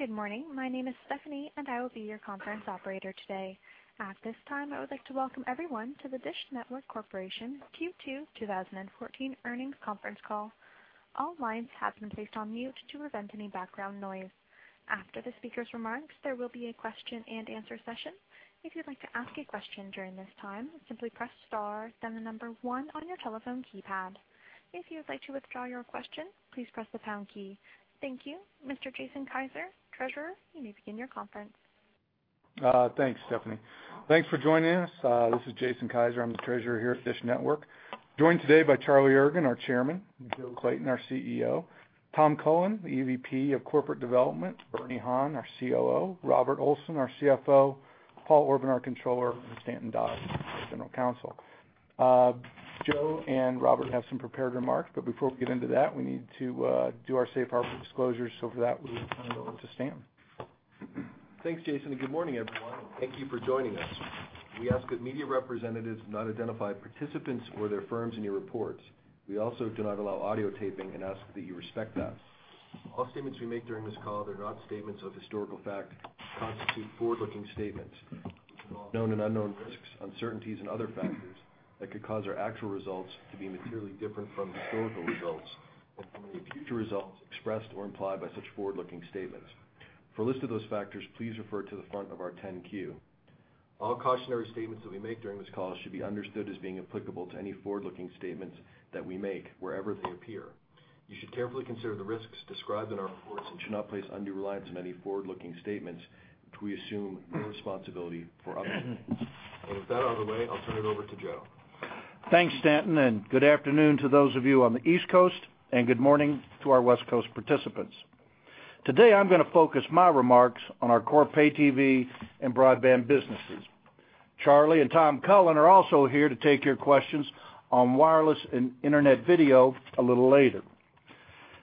Good morning. My name is Stephanie, and I will be your conference operator today. At this time, I would like to welcome everyone to the DISH Network Corporation Q2 2014 Earnings Conference Call. All lines have been placed on mute to prevent any background noise. After the speakers' remarks, there will be a question-and-answer session. If you'd like to ask a question during this time, simply press star then one on your telephone keypad. If you would like to withdraw your question, please press the pound key. Thank you. Mr. Jason Kiser, Treasurer, you may begin your conference. Thanks, Stephanie. Thanks for joining us. This is Jason Kiser. I'm the Treasurer here at DISH Network, joined today by Charlie Ergen, our Chairman; Joe Clayton, our CEO; Tom Cullen, the EVP of Corporate Development; Bernie Han, our COO; Robert E. Olson, our CFO; Paul W. Orban, our Controller; and R. Stanton Dodge, our General Counsel. Joe and Robert have some prepared remarks, but before we get into that, we need to do our safe harbor disclosure, so for that, we will turn it over to Stanton. Thanks, Jason, and good morning, everyone, and thank you for joining us. We ask that media representatives not identify participants or their firms in your reports. We also do not allow audio taping and ask that you respect that. All statements we make during this call that are not statements of historical fact constitute forward-looking statements which involve known and unknown risks, uncertainties, and other factors that could cause our actual results to be materially different from historical results or from the future results expressed or implied by such forward-looking statements. For a list of those factors, please refer to the front of our 10-Q. All cautionary statements that we make during this call should be understood as being applicable to any forward-looking statements that we make wherever they appear. You should carefully consider the risks described in our reports and should not place undue reliance on any forward-looking statements, which we assume no responsibility for updating. With that out of the way, I'll turn it over to Joe. Thanks, Stanton, and good afternoon to those of you on the East Coast and good morning to our West Coast participants. Today, I'm gonna focus my remarks on our core pay-TV and broadband businesses. Charlie and Tom Cullen are also here to take your questions on wireless and internet video a little later.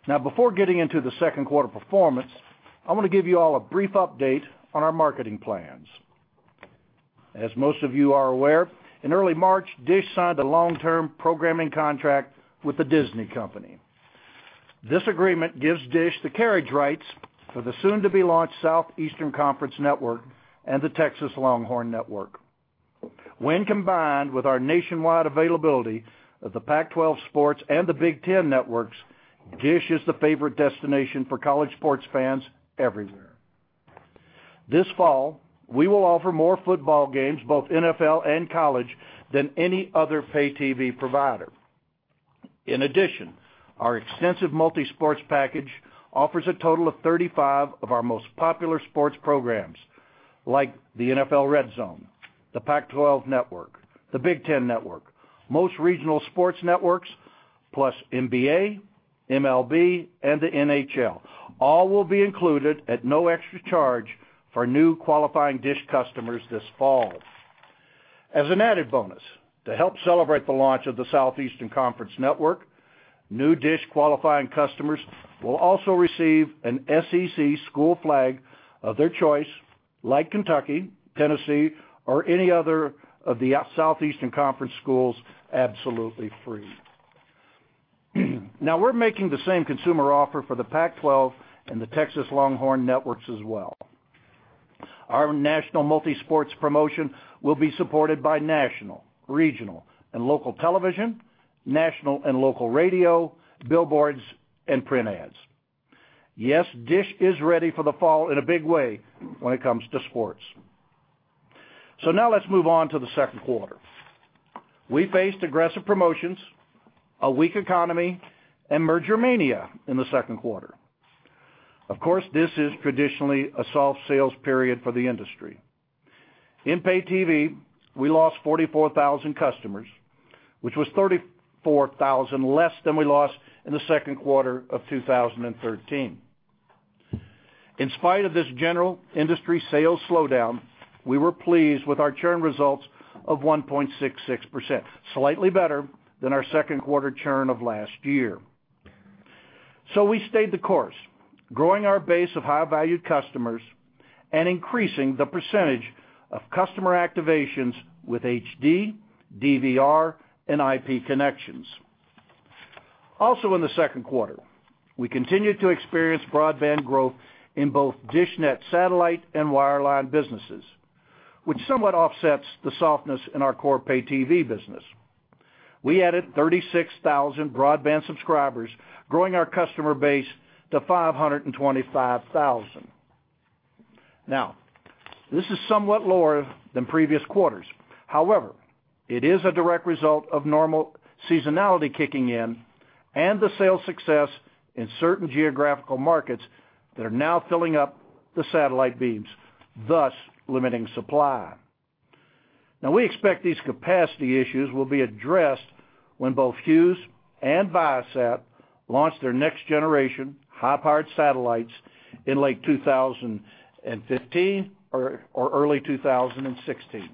Now, before getting into the second quarter performance, I wanna give you all a brief update on our marketing plans. As most of you are aware, in early March, DISH signed a long-term programming contract with The Walt Disney Company. This agreement gives DISH the carriage rights for the soon-to-be-launched Southeastern Conference Network and the Longhorn Network. When combined with our nationwide availability of the Pac-12 sports and the Big Ten networks, DISH is the favorite destination for college sports fans everywhere. This fall, we will offer more football games, both NFL and college, than any other pay-TV provider. Our extensive multi-sports package offers a total of 35 of our most popular sports programs, like the NFL RedZone, the Pac-12 Network, the Big Ten Network, most Regional Sports Networks, plus NBA, MLB, and the NHL. All will be included at no extra charge for new qualifying DISH customers this fall. As an added bonus, to help celebrate the launch of the Southeastern Conference Network, new DISH qualifying customers will also receive an SEC school flag of their choice, like Kentucky, Tennessee, or any other of the Southeastern Conference schools absolutely free. We're making the same consumer offer for the Pac-12 and the Texas Longhorn Networks as well. Our national multi-sports promotion will be supported by national, regional, and local television, national and local radio, billboards, and print ads. DISH is ready for the fall in a big way when it comes to sports. Now let's move on to the second quarter. We faced aggressive promotions, a weak economy, and merger mania in the second quarter. Of course, this is traditionally a soft sales period for the industry. In pay-TV, we lost 44,000 customers, which was 34,000 less than we lost in the second quarter of 2013. In spite of this general industry sales slowdown, we were pleased with our churn results of 1.66%, slightly better than our second quarter churn of last year. We stayed the course, growing our base of high-valued customers and increasing the percentage of customer activations with HD, DVR, and IP connections. In the second quarter, we continued to experience broadband growth in both DishNET satellite and wireline businesses, which somewhat offsets the softness in our core pay-TV business. We added 36,000 broadband subscribers, growing our customer base to 525,000. This is somewhat lower than previous quarters. It is a direct result of normal seasonality kicking in and the sales success in certain geographical markets that are now filling up the satellite beams, thus limiting supply. We expect these capacity issues will be addressed when both Hughes and Viasat launch their next generation high-powered satellites in late 2015 or early 2016.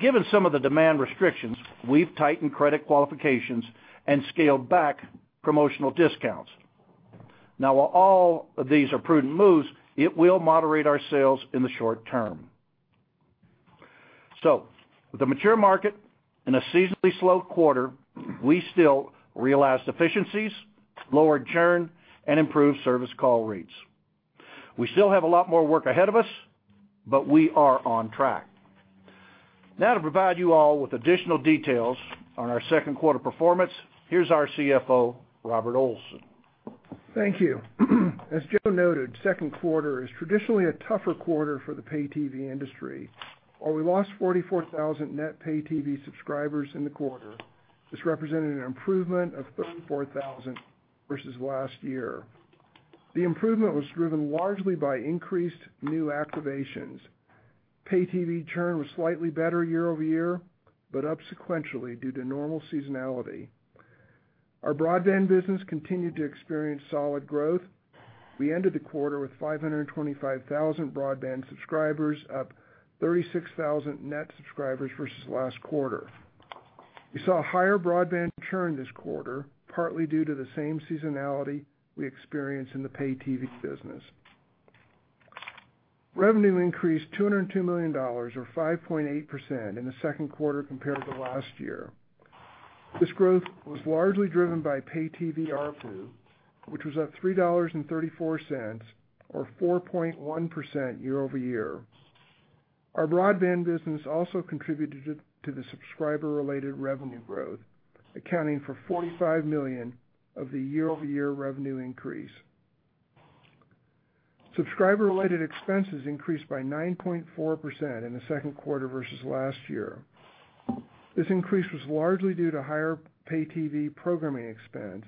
Given some of the demand restrictions, we've tightened credit qualifications and scaled back promotional discounts. While all of these are prudent moves, it will moderate our sales in the short term. With a mature market and a seasonally slow quarter, we still realized efficiencies, lowered churn, and improved service call rates. We still have a lot more work ahead of us, but we are on track. To provide you all with additional details on our second quarter performance, here's our CFO, Robert E. Olson. Thank you. As Joe Clayton noted, second quarter is traditionally a tougher quarter for the pay-TV industry. While we lost 44,000 net pay-TV subscribers in the quarter, this represented an improvement of 34,000 versus last year. The improvement was driven largely by increased new activations. Pay-TV churn was slightly better year-over-year, but up sequentially due to normal seasonality. Our broadband business continued to experience solid growth. We ended the quarter with 525,000 broadband subscribers, up 36,000 net subscribers versus last quarter. We saw a higher broadband churn this quarter, partly due to the same seasonality we experienced in the pay-TV business. Revenue increased $202 million or 5.8% in the second quarter compared to last year. This growth was largely driven by pay-TV ARPU, which was up $3.34 or 4.1% year-over-year. Our broadband business also contributed to the subscriber-related revenue growth, accounting for $45 million of the year-over-year revenue increase. Subscriber-related expenses increased by 9.4% in the second quarter versus last year. This increase was largely due to higher pay-TV programming expense,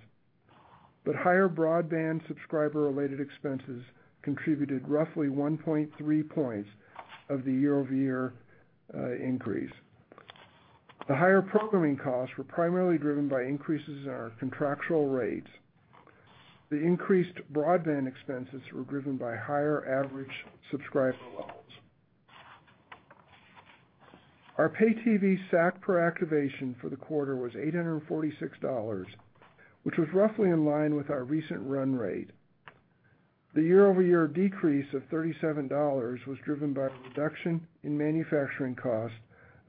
but higher broadband subscriber-related expenses contributed roughly 1.3 points of the year-over-year increase. The higher programming costs were primarily driven by increases in our contractual rates. The increased broadband expenses were driven by higher average subscriber levels. Our pay-TV SAC per activation for the quarter was $846, which was roughly in line with our recent run rate. The year-over-year decrease of $37 was driven by a reduction in manufacturing cost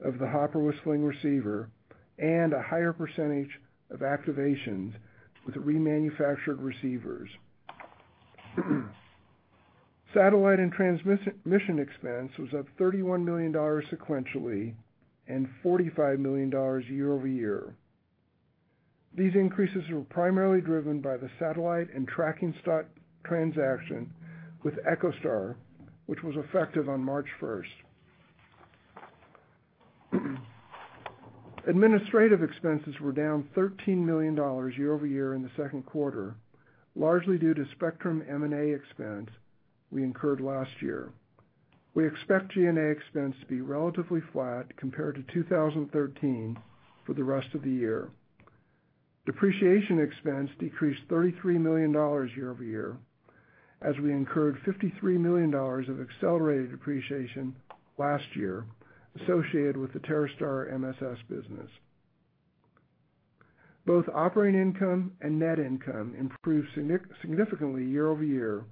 of the Hopper with Sling receiver and a higher percentage of activations with remanufactured receivers. Satellite and transmission expense was up $31 million sequentially and $45 million year-over-year. These increases were primarily driven by the satellite and tracking stock transaction with EchoStar, which was effective on March first. Administrative expenses were down $13 million year-over-year in the second quarter, largely due to spectrum M&A expense we incurred last year. We expect G&A expense to be relatively flat compared to 2013 for the rest of the year. Depreciation expense decreased $33 million year-over-year as we incurred $53 million of accelerated depreciation last year associated with the TerreStar Solutions MSS business. Both operating income and net income improved significantly year-over-year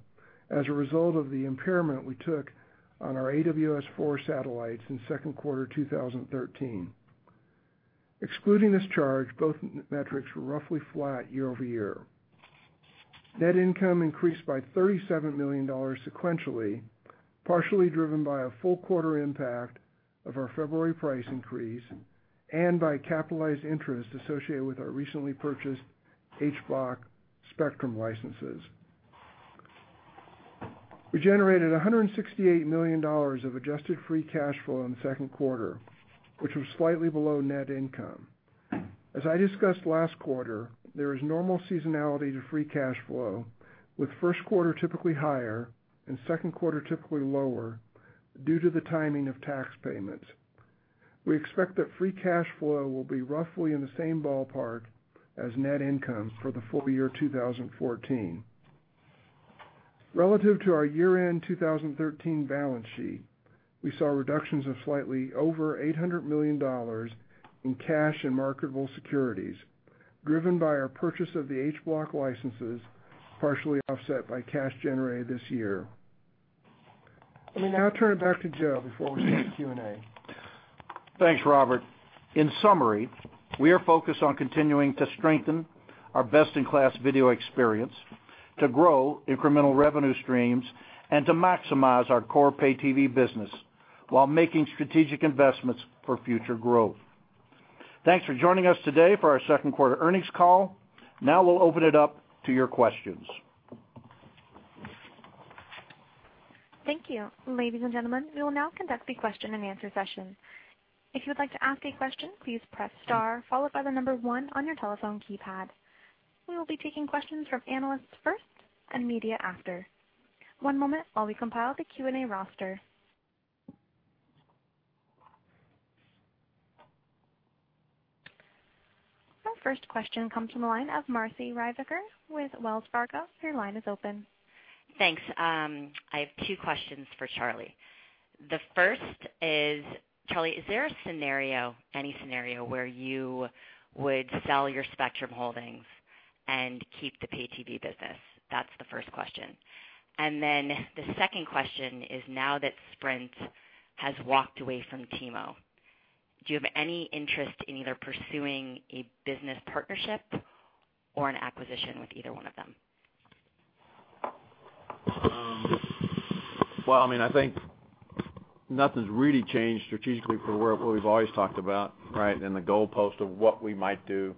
as a result of the impairment we took on our AWS-4 satellites in second quarter 2013. Excluding this charge, both metrics were roughly flat year-over-year. Net income increased by $37 million sequentially, partially driven by a full quarter impact of our February price increase and by capitalized interest associated with our recently purchased H Block spectrum licenses. We generated $168 million of adjusted free cash flow in the second quarter, which was slightly below net income. As I discussed last quarter, there is normal seasonality to free cash flow, with first quarter typically higher and second quarter typically lower due to the timing of tax payments. We expect that free cash flow will be roughly in the same ballpark as net income for the full year 2014. Relative to our year-end 2013 balance sheet, we saw reductions of slightly over $800 million in cash and marketable securities, driven by our purchase of the H Block licenses, partially offset by cash generated this year. Let me now turn it back to Joe before we take Q&A. Thanks, Robert. In summary, we are focused on continuing to strengthen our best-in-class video experience, to grow incremental revenue streams, and to maximize our core pay-TV business while making strategic investments for future growth. Thanks for joining us today for our second quarter earnings call. Now we'll open it up to your questions. Thank you. Ladies and gentlemen, we will now conduct the question-and-answer session. If you would like to ask a question, please press star followed by one on your telephone keypad. We will be taking questions from analysts first and media after. One moment while we compile the Q&A roster. Our first question comes from the line of Marci Ryvicker with Wells Fargo. Your line is open. Thanks. I have two questions for Charlie. The first is, Charlie, is there a scenario, any scenario, where you would sell your spectrum holdings? Keep the pay-TV business? That's the first question. The second question is now that Sprint has walked away from T-Mobile, do you have any interest in either pursuing a business partnership or an acquisition with either one of them? Well, I mean, I think nothing's really changed strategically for where, what we've always talked about, right? The goalpost of what we might do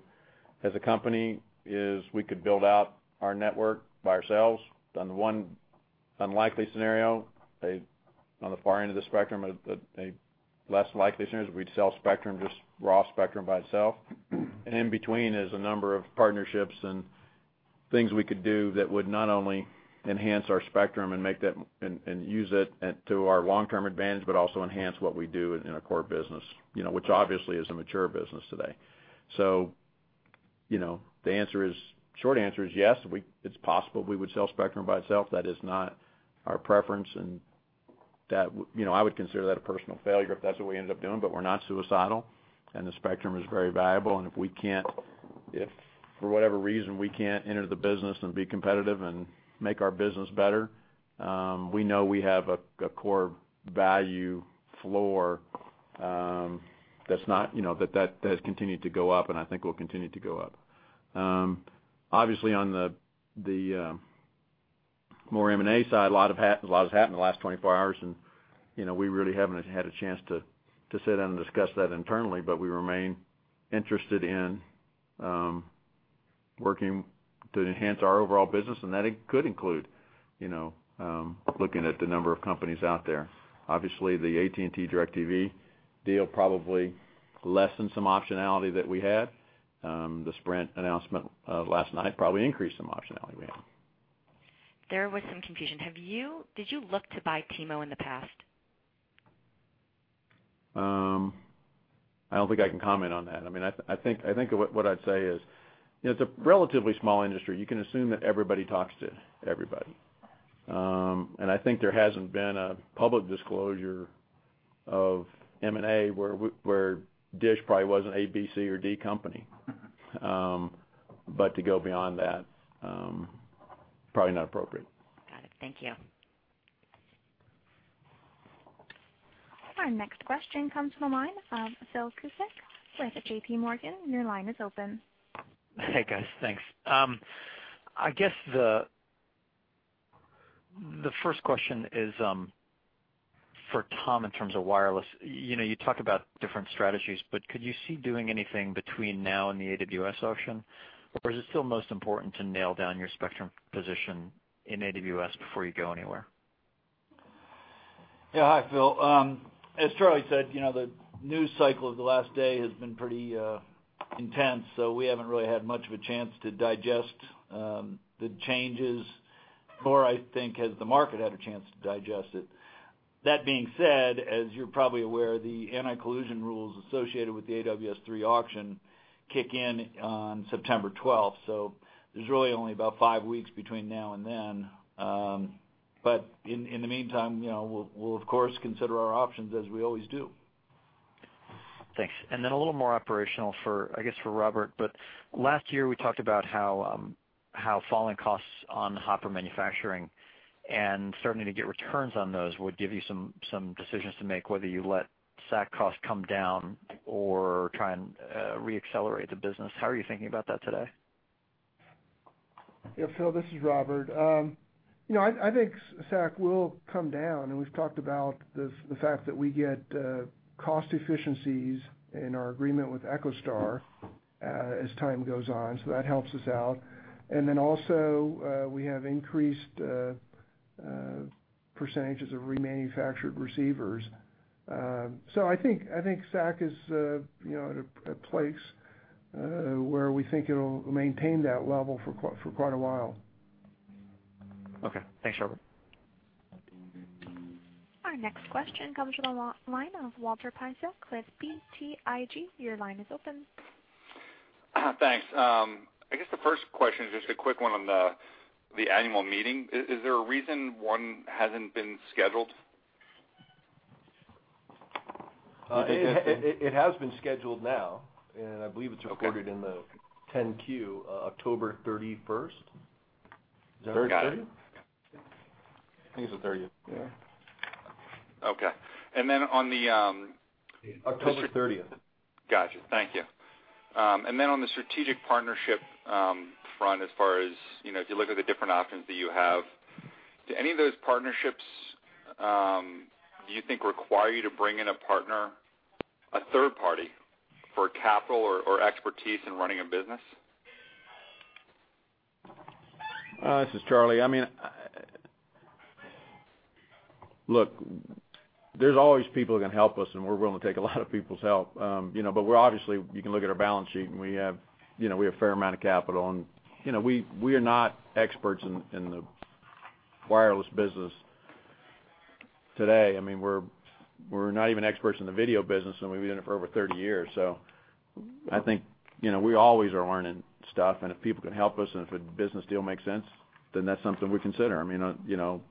as a company is we could build out our network by ourselves on the one unlikely scenario. On the far end of the spectrum, a less likely scenario is we'd sell spectrum, just raw spectrum by itself. In between is a number of partnerships and things we could do that would not only enhance our spectrum and make that and use it at, to our long-term advantage, but also enhance what we do in our core business, you know, which obviously is a mature business today. You know, the answer is, short answer is yes, it's possible we would sell spectrum by itself. That is not our preference, you know, I would consider that a personal failure if that's what we end up doing, but we're not suicidal, and the spectrum is very valuable. If we can't, if for whatever reason, we can't enter the business and be competitive and make our business better, we know we have a core value floor, that's not, you know, that has continued to go up, and I think will continue to go up. Obviously on the more M&A side, a lot has happened in the last 24 hours and, you know, we really haven't had a chance to sit down and discuss that internally, but we remain interested in working to enhance our overall business, and that could include, you know, looking at the number of companies out there. Obviously, the AT&T, DIRECTV deal probably lessened some optionality that we had. The Sprint announcement last night probably increased some optionality we had. There was some confusion. Did you look to buy T-Mobile in the past? I don't think I can comment on that. I mean, I think what I'd say is, you know, it's a relatively small industry. You can assume that everybody talks to everybody. I think there hasn't been a public disclosure of M&A where DISH probably wasn't A, B, C, or D company. To go beyond that, probably not appropriate. Got it. Thank you. Our next question comes from the line of Philip Cusick with JPMorgan. Hey, guys. Thanks. I guess the first question is, for Tom in terms of wireless. You know, you talk about different strategies, but could you see doing anything between now and the AWS auction? Or is it still most important to nail down your spectrum position in AWS before you go anywhere? Yeah. Hi, Philip. As Charlie said, you know, the news cycle of the last day has been pretty intense. We haven't really had much of a chance to digest the changes or I think has the market had a chance to digest it. That being said, as you're probably aware, the anti-collusion rules associated with the AWS-3 auction kick in on September 12th. There's really only about five weeks between now and then. In the meantime, you know, we'll of course consider our options as we always do. Thanks. A little more operational for, I guess, for Robert. Last year, we talked about how falling costs on Hopper manufacturing and starting to get returns on those would give you some decisions to make, whether you let SAC costs come down or try and re-accelerate the business. How are you thinking about that today? Yeah, Philip, this is Robert E. Olson. You know, I think SAC will come down. We've talked about the fact that we get cost efficiencies in our agreement with EchoStar as time goes on, so that helps us out. Also, we have increased percentages of remanufactured receivers. I think SAC is, you know, at a place where we think it'll maintain that level for quite a while. Okay. Thanks, Robert. Our next question comes from the line of Walter Piecyk with BTIG. Your line is open. Thanks. I guess the first question is just a quick one on the annual meeting. Is there a reason one hasn't been scheduled? It has been scheduled now, and I believe it's reported in the Form 10-Q, October 31st. Is that right, Charlie? There, got it. I think it's the October 30th. Yeah. Okay. October 30th. Gotcha. Thank you. On the strategic partnership, front, as far as, you know, if you look at the different options that you have, do any of those partnerships, do you think require you to bring in a partner, a third party for capital or expertise in running a business? This is Charlie. I mean, look, there's always people that can help us, and we're willing to take a lot of people's help. You know, we're obviously, you can look at our balance sheet and we have, you know, we have a fair amount of capital and, you know, we are not experts in the wireless business today. I mean, we're not even experts in the video business, and we've been in it for over 30 years. I think, you know, we always are learning stuff, and if people can help us and if a business deal makes sense, then that's something we consider. I mean, you know,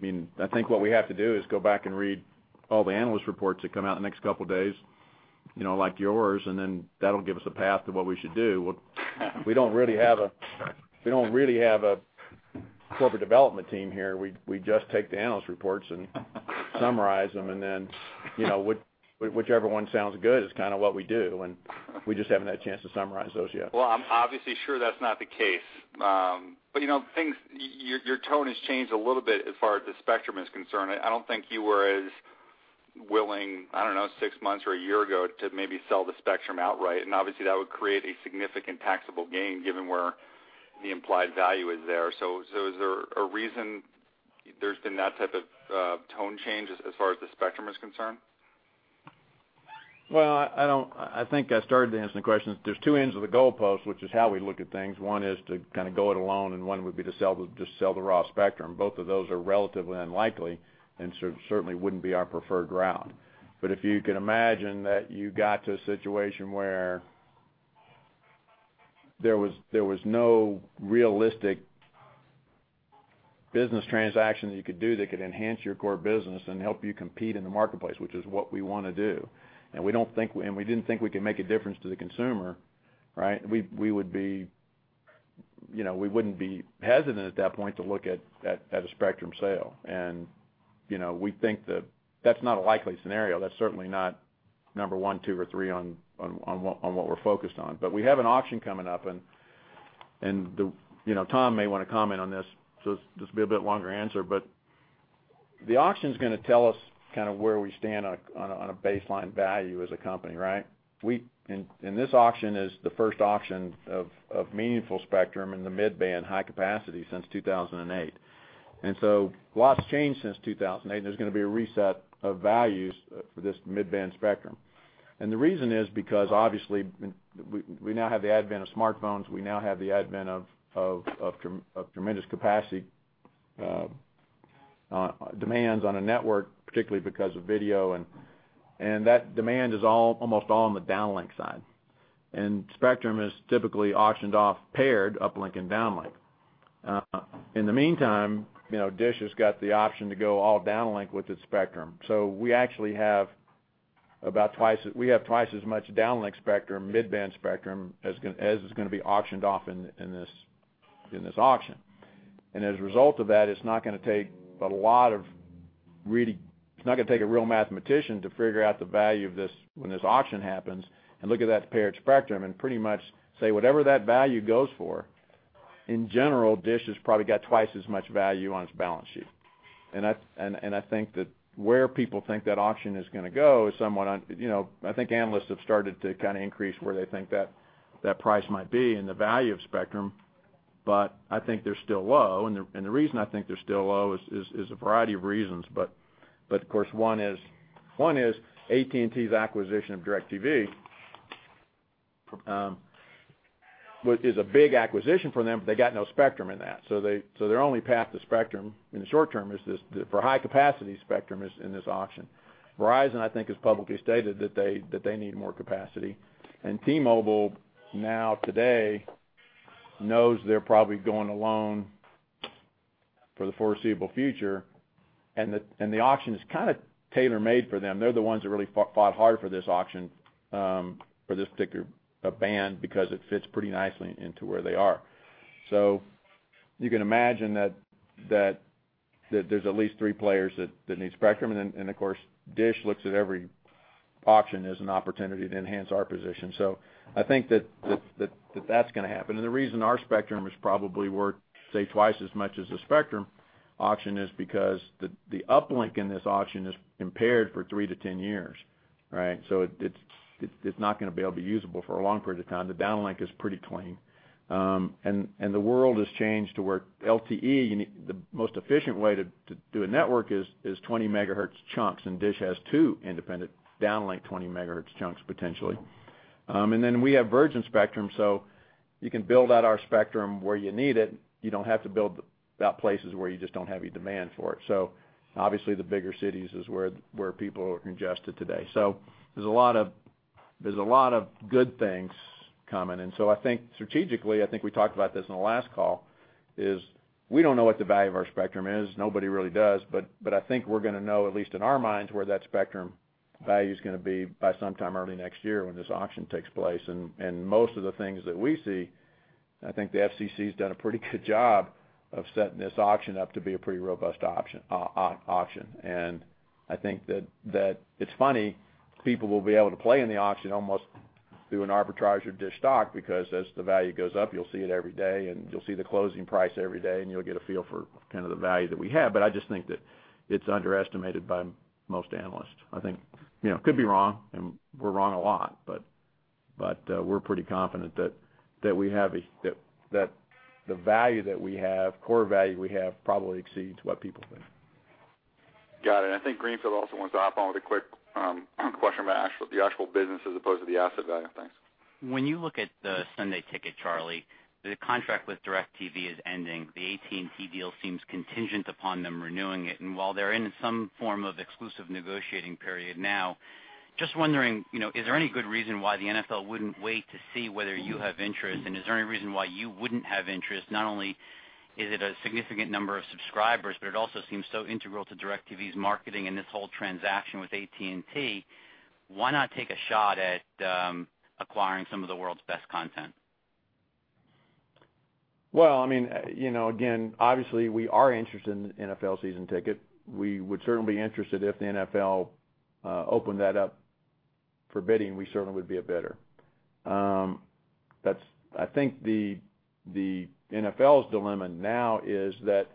I mean, I think what we have to do is go back and read all the analyst reports that come out in the next couple of days, you know, like yours, and then that'll give us a path to what we should do. We don't really have a corporate development team here. We just take the analyst reports and summarize them, and then, you know, whichever one sounds good is kind of what we do, and we just haven't had a chance to summarize those yet. Well, I'm obviously sure that's not the case. You know, your tone has changed a little bit as far as the spectrum is concerned. I don't think you were as willing, I don't know, six months or a year ago to maybe sell the spectrum outright. Obviously, that would create a significant taxable gain given where the implied value is there. Is there a reason there's been that type of tone change as far as the spectrum is concerned? Well, I think I started to answer the question. There's two ends of the goalpost, which is how we look at things. One is to kind of go it alone, and one would be to just sell the raw spectrum. Both of those are relatively unlikely and certainly wouldn't be our preferred route. If you can imagine that you got to a situation where there was no realistic business transaction that you could do that could enhance your core business and help you compete in the marketplace, which is what we wanna do, and we didn't think we could make a difference to the consumer, right? We would be, you know, we wouldn't be hesitant at that point to look at a spectrum sale. You know, we think that that's not a likely scenario. That's certainly not number one, two, or three on what we're focused on. We have an auction coming up, and the, you know, Tom may wanna comment on this will be a bit longer answer. The auction's gonna tell us kind of where we stand on a baseline value as a company, right? This auction is the first auction of meaningful spectrum in the mid-band high capacity since 2008. A lot's changed since 2008, and there's gonna be a reset of values for this mid-band spectrum. The reason is because obviously, we now have the advent of smartphones. We now have the advent of tremendous capacity demands on a network, particularly because of video and that demand is almost all on the downlink side. Spectrum is typically auctioned off paired, uplink and downlink. In the meantime, you know, DISH has got the option to go all downlink with its spectrum. We actually have about twice as much downlink spectrum, mid-band spectrum as is gonna be auctioned off in this auction. As a result of that, it's not gonna take a real mathematician to figure out the value of this when this auction happens and look at that paired spectrum and pretty much say whatever that value goes for, in general, DISH has probably got twice as much value on its balance sheet. I think that where people think that auction is going to go is somewhat, you know, I think analysts have started to kind of increase where they think that price might be and the value of spectrum, but I think they're still low. The reason I think they're still low is a variety of reasons. Of course, one is AT&T's acquisition of DIRECTV, which is a big acquisition for them, but they got no spectrum in that. Their only path to spectrum in the short term is this, for high capacity spectrum, is in this auction. Verizon, I think, has publicly stated that they need more capacity. T-Mobile now today knows they're probably going alone for the foreseeable future, the, and the auction is kind of tailor-made for them. They're the ones that really fought hard for this auction for this particular band because it fits pretty nicely into where they are. You can imagine that there's at least three players that need spectrum. Then, and of course, DISH looks at every auction as an opportunity to enhance our position. I think that that's gonna happen. The reason our spectrum is probably worth, say, twice as much as the spectrum auction is because the uplink in this auction is impaired for rthree to 10 years, right? It, it's not gonna be able to be usable for a long period of time. The downlink is pretty clean. And the world has changed to where LTE, the most efficient way to do a network is 20 megahertz chunks, and DISH has two independent downlink 20 megahertz chunks, potentially. Then we have virgin spectrum, so you can build out our spectrum where you need it. You don't have to build about places where you just don't have any demand for it. Obviously, the bigger cities is where people are congested today. There's a lot of good things coming. So I think strategically, I think we talked about this on the last call, is we don't know what the value of our spectrum is. Nobody really does. I think we're gonna know, at least in our minds, where that spectrum value's gonna be by sometime early next year when this auction takes place. Most of the things that we see, I think the FCC's done a pretty good job of setting this auction up to be a pretty robust auction. I think that it's funny, people will be able to play in the auction almost through an arbitrage of DISH stock because as the value goes up, you'll see it every day, and you'll see the closing price every day, and you'll get a feel for kind of the value that we have. I just think that it's underestimated by most analysts. I think, you know, could be wrong, and we're wrong a lot, but we're pretty confident that the value that we have, core value we have probably exceeds what people think. Got it. I think Greenfield also wants to hop on with a quick question about the actual business as opposed to the asset value. Thanks. When you look at the Sunday Ticket, Charlie, the contract with DIRECTV is ending. The AT&T deal seems contingent upon them renewing it. While they're in some form of exclusive negotiating period now. Just wondering, you know, is there any good reason why the NFL wouldn't wait to see whether you have interest? Is there any reason why you wouldn't have interest? Not only is it a significant number of subscribers, but it also seems so integral to DIRECTV's marketing and this whole transaction with AT&T. Why not take a shot at acquiring some of the world's best content? I mean, you know, again, obviously, we are interested in NFL Sunday Ticket. We would certainly be interested if the NFL opened that up for bidding. We certainly would be a bidder. I think the NFL's dilemma now is that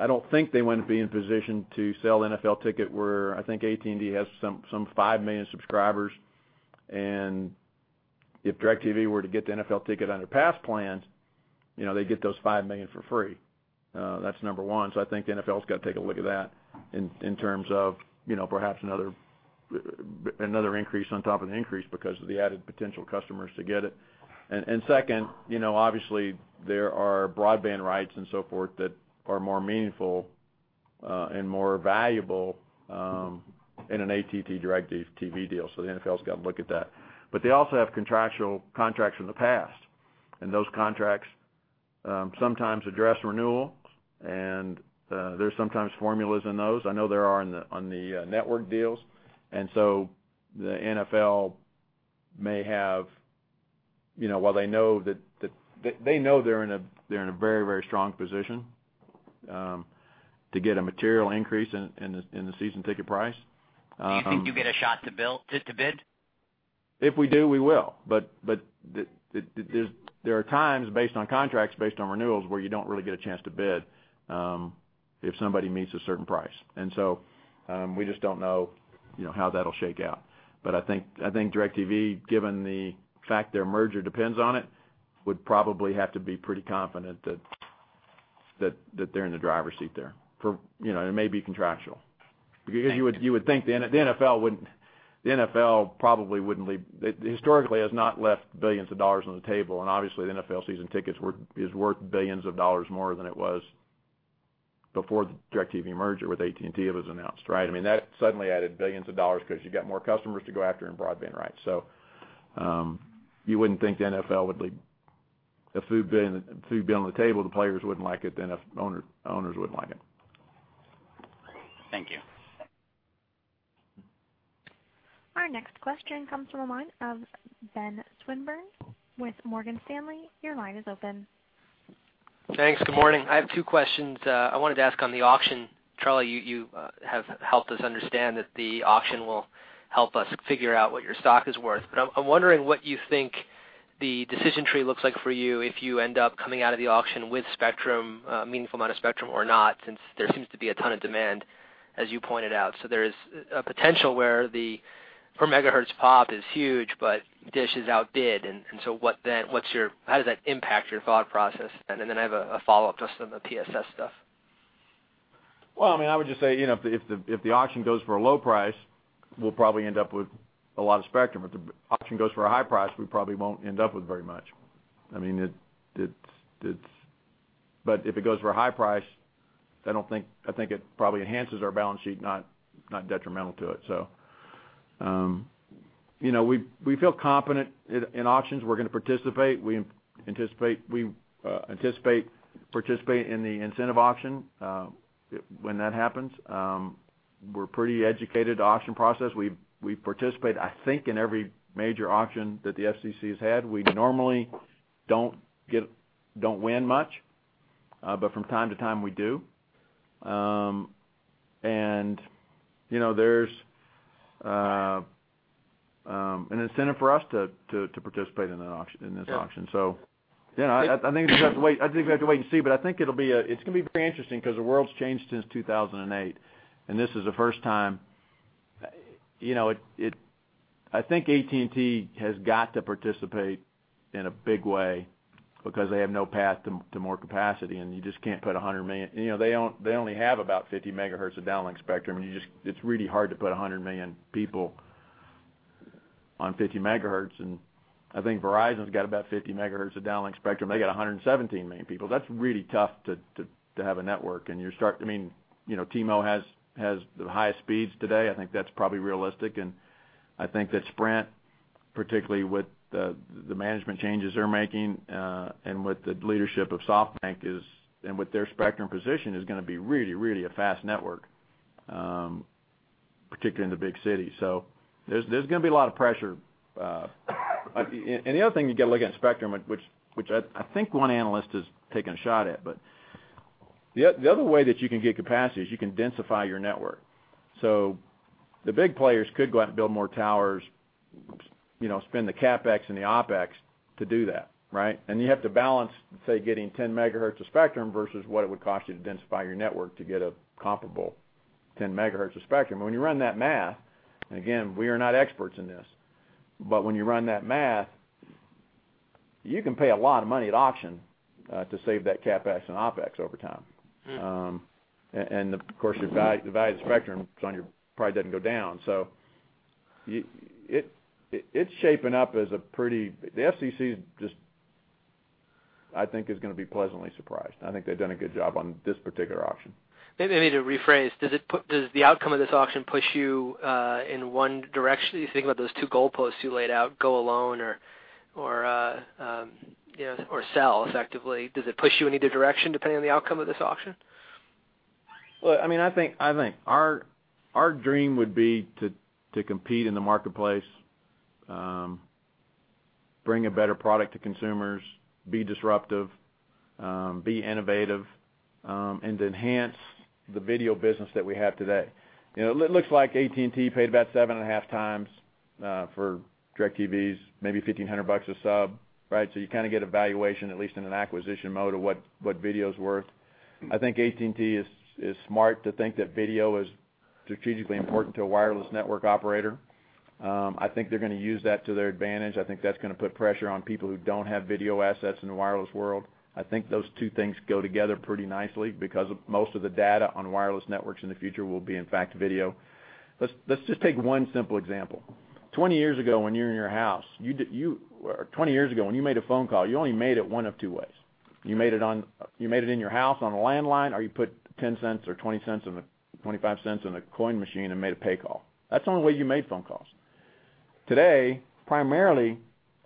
I don't think they wanna be in position to sell NFL Sunday Ticket where I think AT&T has some five million subscribers. If DIRECTV were to get the NFL Sunday Ticket on their pass plan, you know, they'd get those five million for free. That's number one. I think the NFL's gotta take a look at that in terms of, you know, perhaps another increase on top of the increase because of the added potential customers to get it. Second, you know, obviously, there are broadband rights and so forth that are more meaningful and more valuable in an AT&T-DIRECTV deal. The NFL's got to look at that. They also have contracts from the past, and those contracts sometimes address renewals, and there's sometimes formulas in those. I know there are on the network deals. The NFL may have, you know, while they know that, they know they're in a very, very strong position to get a material increase in the Season Ticket price. Do you think you'll get a shot to bid? If we do, we will. There are times based on contracts, based on renewals, where you don't really get a chance to bid if somebody meets a certain price. We just don't know, you know, how that'll shake out. I think DIRECTV, given the fact their merger depends on it, would probably have to be pretty confident that they're in the driver's seat there. You know, it may be contractual. Thank you. Because you would think the NFL probably wouldn't leave Historically has not left billions of dollars on the table, and obviously, the NFL's Sunday Ticket's worth is worth billions of dollars more than it was before the DIRECTV merger with AT&T it was announced, right? I mean, that suddenly added billions of dollars 'cause you got more customers to go after and broadband, right? So, you wouldn't think the NFL would leave a few billion on the table. The players wouldn't like it then if owners wouldn't like it. Thank you. Our next question comes from the line of Benjamin Swinburne with Morgan Stanley. Your line is open. Thanks. Good morning. I have two questions. I wanted to ask on the auction. Charlie, you have helped us understand that the auction will help us figure out what your stock is worth. I'm wondering what you think the decision tree looks like for you if you end up coming out of the auction with spectrum, a meaningful amount of spectrum or not, since there seems to be a ton of demand, as you pointed out. There is a potential where the per megahertz pop is huge, but DISH is outbid. So what then, what's your, how does that impact your thought process? Then I have a follow-up just on the OTT stuff. Well, I mean, I would just say, you know, if the auction goes for a low price, we'll probably end up with a lot of spectrum. If the auction goes for a high price, we probably won't end up with very much. I mean, if it goes for a high price, I think it probably enhances our balance sheet, not detrimental to it. You know, we feel confident in auctions. We're gonna participate. We anticipate participating in the incentive auction when that happens. We're pretty educated to auction process. We've participated, I think, in every major auction that the FCC has had. We normally don't win much, from time to time, we do. You know, there's an incentive for us to participate in that auction, in this auction. Yeah. You know, I think we just have to wait, I think we have to wait and see, but I think it'll be, it's gonna be very interesting 'cause the world's changed since 2008. This is the first time, you know, it I think AT&T has got to participate in a big way because they have no path to more capacity, and you just can't put 100 million You know, they only, they only have about 50 megahertz of downlink spectrum, it's really hard to put 100 million people on 50 megahertz. I think Verizon's got about 50 megahertz of downlink spectrum. They got 117 million people. That's really tough to, to have a network. I mean, you know, T-Mobile has the highest speeds today. I think that's probably realistic. I think that Sprint, particularly with the management changes they're making, and with the leadership of SoftBank is, and with their spectrum position, is gonna be really, really a fast network, particularly in the big cities. There's gonna be a lot of pressure. And the other thing you gotta look at in spectrum, which I think one analyst has taken a shot at, but the other way that you can get capacity is you can densify your network. The big players could go out and build more towers, you know, spend the CapEx and the OpEx to do that, right? You have to balance, say, getting 10 megahertz of spectrum versus what it would cost you to densify your network to get a comparable 10 megahertz of spectrum. When you run that math, and again, we are not experts in this, but when you run that math, you can pay a lot of money at auction, to save that CapEx and OpEx over time. Of course, the value of the spectrum probably doesn't go down. The FCC just I think is gonna be pleasantly surprised. I think they've done a good job on this particular auction. Maybe I need to rephrase. Does the outcome of this auction push you in one direction? You think about those two goalposts you laid out, go alone or, you know, or sell effectively. Does it push you in either direction depending on the outcome of this auction? Well, I mean, our dream would be to compete in the marketplace, bring a better product to consumers, be disruptive, be innovative, and to enhance the video business that we have today. You know, it looks like AT&T paid about 7.5x for DIRECTV's maybe $1,500 a sub, right? You kinda get a valuation, at least in an acquisition mode, of what video's worth. I think AT&T is smart to think that video is strategically important to a wireless network operator. I think they're gonna use that to their advantage. I think that's gonna put pressure on people who don't have video assets in the wireless world. I think those two things go together pretty nicely because most of the data on wireless networks in the future will be, in fact, video. Let's just take one simple example. 20 years ago, when you were in your house, or 20 years ago, when you made a phone call, you only made it one of two ways. You made it in your house on a landline, or you put $0.10 or $0.20 in the $0.25 in the coin machine and made a pay call. That's the only way you made phone calls. Today, primarily,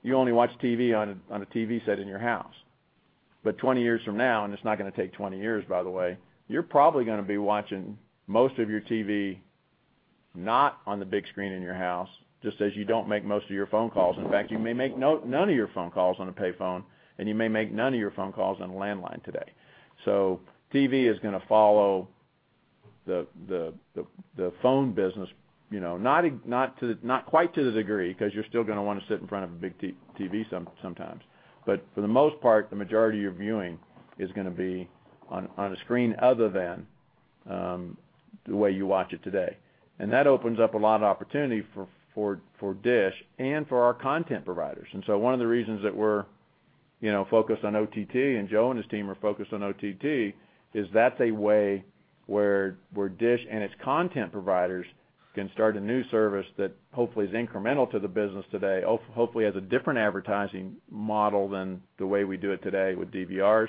you only watch TV on a TV set in your house. 20 years from now, and it's not going to take 20 years, by the way, you're probably going to be watching most of your TV not on the big screen in your house, just as you don't make most of your phone calls. In fact, you may make none of your phone calls on a pay phone, and you may make none of your phone calls on a landline today. TV is going to follow the phone business, you know, not to the, not quite to the degree, 'cause you're still going to want to sit in front of a big TV sometimes. For the most part, the majority of your viewing is going to be on a screen other than the way you watch it today. That opens up a lot of opportunity for, for DISH and for our content providers. One of the reasons that we're, you know, focused on OTT, and Joe and his team are focused on OTT, is that's a way where DISH and its content providers can start a new service that hopefully is incremental to the business today, hopefully has a different advertising model than the way we do it today with DVRs,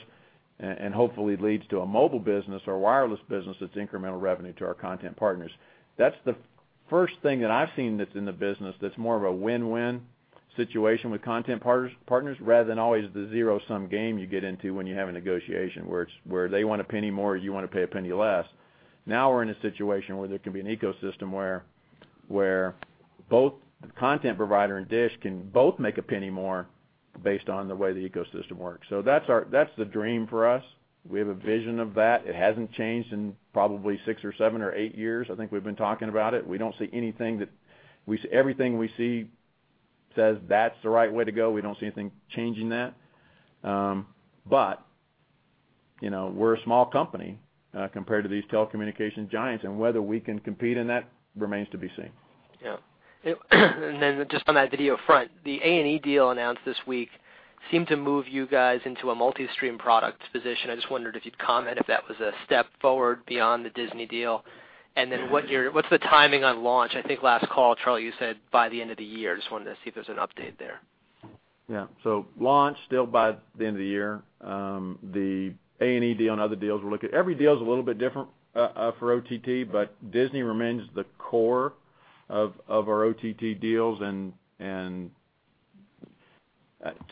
and hopefully leads to a mobile business or wireless business that's incremental revenue to our content partners. That's the first thing that I've seen that's in the business that's more of a win-win situation with content partners, rather than always the zero-sum game you get into when you have a negotiation where they want a penny more, you want to pay a penny less. We're in a situation where there can be an ecosystem where both the content provider and DISH can both make a penny more based on the way the ecosystem works. That's the dream for us. We have a vision of that. It hasn't changed in probably six or seven or eight years, I think we've been talking about it. We don't see anything that Everything we see says that's the right way to go. We don't see anything changing that. You know, we're a small company compared to these telecommunication giants, and whether we can compete in that remains to be seen. Yeah. Just on that video front, the A&E deal announced this week seemed to move you guys into a multi-stream product position. I just wondered if you'd comment if that was a step forward beyond the Disney deal, what's the timing on launch? I think last call, Charlie, you said by the end of the year. Just wanted to see if there's an update there. Launch, still by the end of the year. The A&E deal and other deals we're looking Every deal is a little bit different for OTT, but Disney remains the core of our OTT deals. To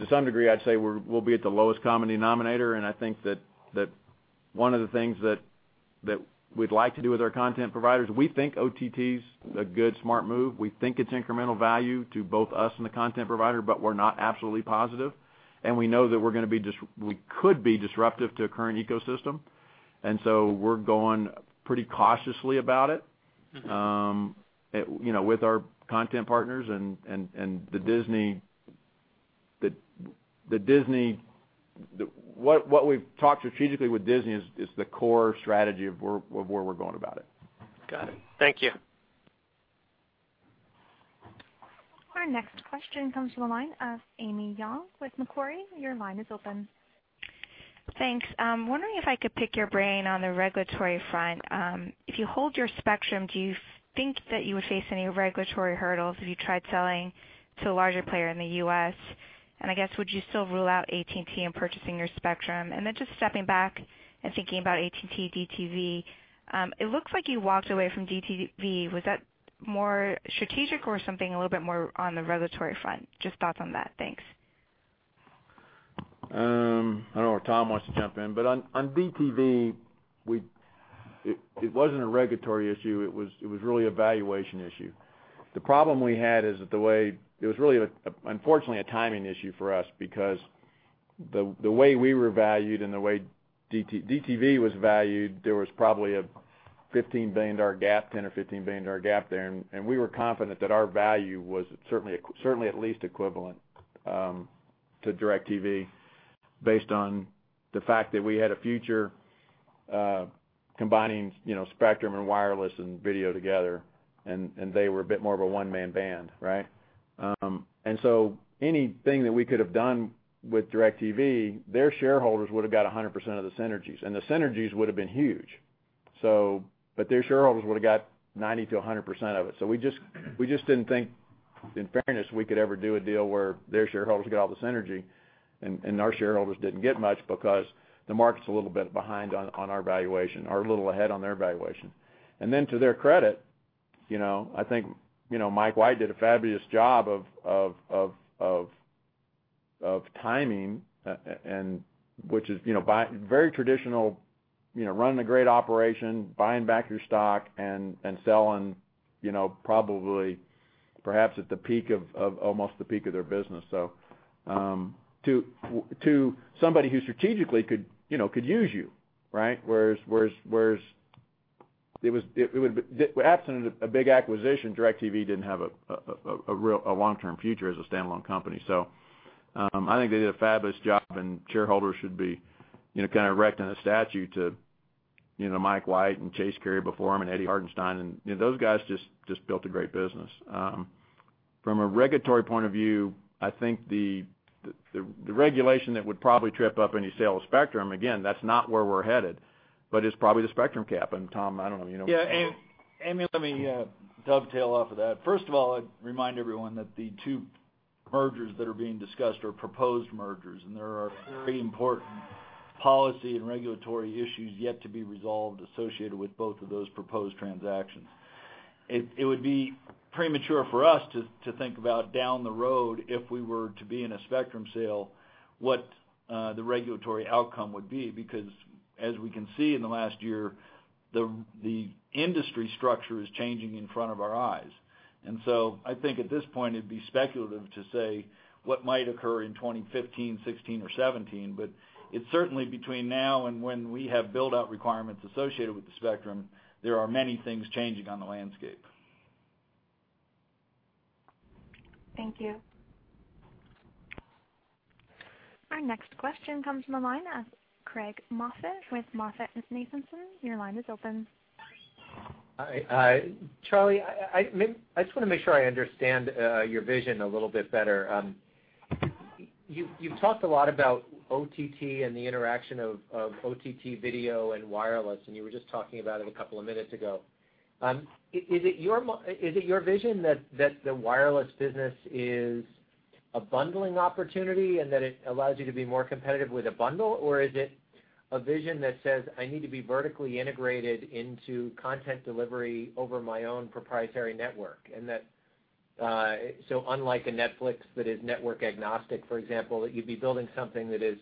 some degree, I'd say we're, we'll be at the lowest common denominator. I think one of the things we'd like to do with our content providers, we think OTT's a good, smart move. We think it's incremental value to both us and the content provider, but we're not absolutely positive. We know that we could be disruptive to a current ecosystem. We're going pretty cautiously about it. You know, with our content partners and the Disney, the Disney what we've talked strategically with Disney is the core strategy of where we're going about it. Got it. Thank you. Our next question comes from the line of Amy Yong with Macquarie. Your line is open. Thanks. Wondering if I could pick your brain on the regulatory front. If you hold your spectrum, do you think that you would face any regulatory hurdles if you tried selling to a larger player in the U.S.? I guess, would you still rule out AT&T in purchasing your spectrum? Just stepping back and thinking about AT&T TV, it looks like you walked away from DTV. Was that more strategic or something a little bit more on the regulatory front? Just thoughts on that. Thanks. I don't know if Tom wants to jump in, but on DTV, it wasn't a regulatory issue, it was really a valuation issue. The problem we had is that the way it was really a, unfortunately, a timing issue for us because the way we were valued and the way DTV was valued, there was probably a $15 billion gap, $10 billion-$15 billion gap there. We were confident that our value was certainly at least equivalent to DIRECTV based on the fact that we had a future, combining, you know, spectrum and wireless and video together, and they were a bit more of a one-man band, right? Anything that we could have done with DIRECTV, their shareholders would have got 100% of the synergies, and the synergies would have been huge. But their shareholders would have got 90%-100% of it. We just didn't think, in fairness, we could ever do a deal where their shareholders got all the synergy and our shareholders didn't get much because the market's a little bit behind on our valuation or a little ahead on their valuation. To their credit, you know, I think, you know, Mike White did a fabulous job of timing, and which is, you know, very traditional, you know, running a great operation, buying back your stock and selling, you know, probably perhaps at the peak of almost the peak of their business. to somebody who strategically could, you know, could use you, right? Whereas, absent a big acquisition, DIRECTV didn't have a long-term future as a standalone company. I think they did a fabulous job, and shareholders should be, you know, kind of erecting a statue to, you know, Mike White and Chase Carey before him and Eddy Hartenstein and, you know, those guys just built a great business. From a regulatory point of view, I think the regulation that would probably trip up any sale of spectrum, again, that's not where we're headed, but it's probably the spectrum cap. Tom, I don't know, you know more about that. Yeah, Amy, let me dovetail off of that. First of all, I'd remind everyone that the two mergers that are being discussed are proposed mergers. There are very important policy and regulatory issues yet to be resolved associated with both of those proposed transactions. It would be premature for us to think about down the road if we were to be in a spectrum sale, what the regulatory outcome would be. As we can see in the last year, the industry structure is changing in front of our eyes. I think at this point it'd be speculative to say what might occur in 2015, 2016, or 2017, but it's certainly between now and when we have build-out requirements associated with the spectrum, there are many things changing on the landscape. Thank you. Our next question comes from the line of Craig Moffett with MoffettNathanson. Your line is open. Hi. Charlie, I just wanna make sure I understand your vision a little bit better. You've talked a lot about OTT and the interaction of OTT video and wireless, and you were just talking about it a couple of minutes ago. Is it your vision that the wireless business is a bundling opportunity and that it allows you to be more competitive with a bundle? Or is it a vision that says, "I need to be vertically integrated into content delivery over my own proprietary network?" And that, so unlike a Netflix that is network agnostic, for example, that you'd be building something that is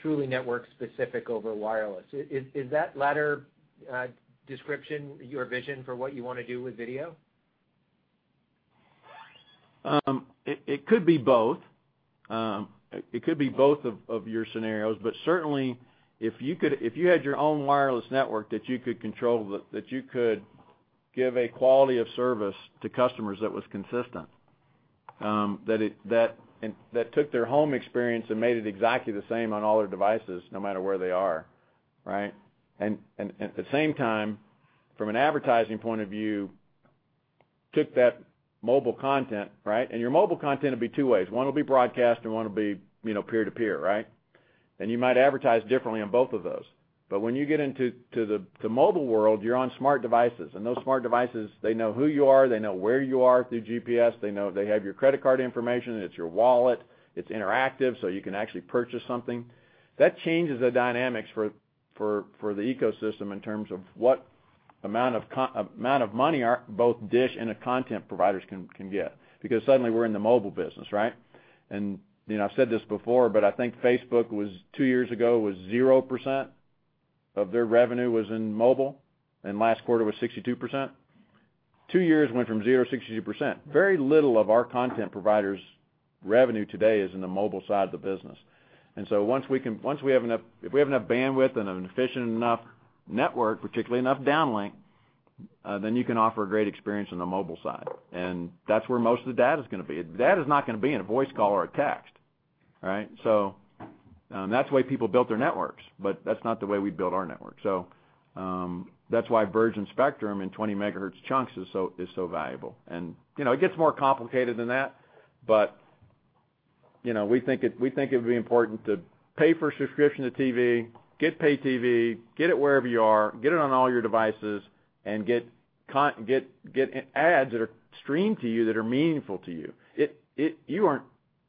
truly network specific over wireless. Is that latter description your vision for what you wanna do with video? It could be both. It could be both of your scenarios. Certainly, if you could if you had your own wireless network that you could control, that you could give a quality of service to customers that was consistent, that, and that took their home experience and made it exactly the same on all their devices no matter where they are, right? At the same time, from an advertising point of view, took that mobile content, right? Your mobile content will be two ways. One will be broadcast, and one will be, you know, peer-to-peer, right? You might advertise differently on both of those. When you get into the mobile world, you're on smart devices. Those smart devices, they know who you are, they know where you are through GPS, they have your credit card information, it's your wallet, it's interactive, so you can actually purchase something. That changes the dynamics for the ecosystem in terms of what amount of money both DISH and the content providers can get. Suddenly we're in the mobile business, right? You know, I've said this before, but I think Facebook was, two years ago, was 0% of their revenue was in mobile, and last quarter was 62%. Two years went from 0% to 62%. Very little of our content providers' revenue today is in the mobile side of the business. Once we have enough bandwidth and an efficient enough network, particularly enough downlink, then you can offer a great experience on the mobile side. That's where most of the data is going to be. Data is not going to be in a voice call or a text, right? That's the way people built their networks, but that's not the way we built our network. That's why virgin spectrum in 20 megahertz chunks is so valuable. You know, it gets more complicated than that, but, you know, we think it would be important to pay for a subscription to TV, get pay-TV, get it wherever you are, get it on all your devices, and get ads that are streamed to you that are meaningful to you. You aren't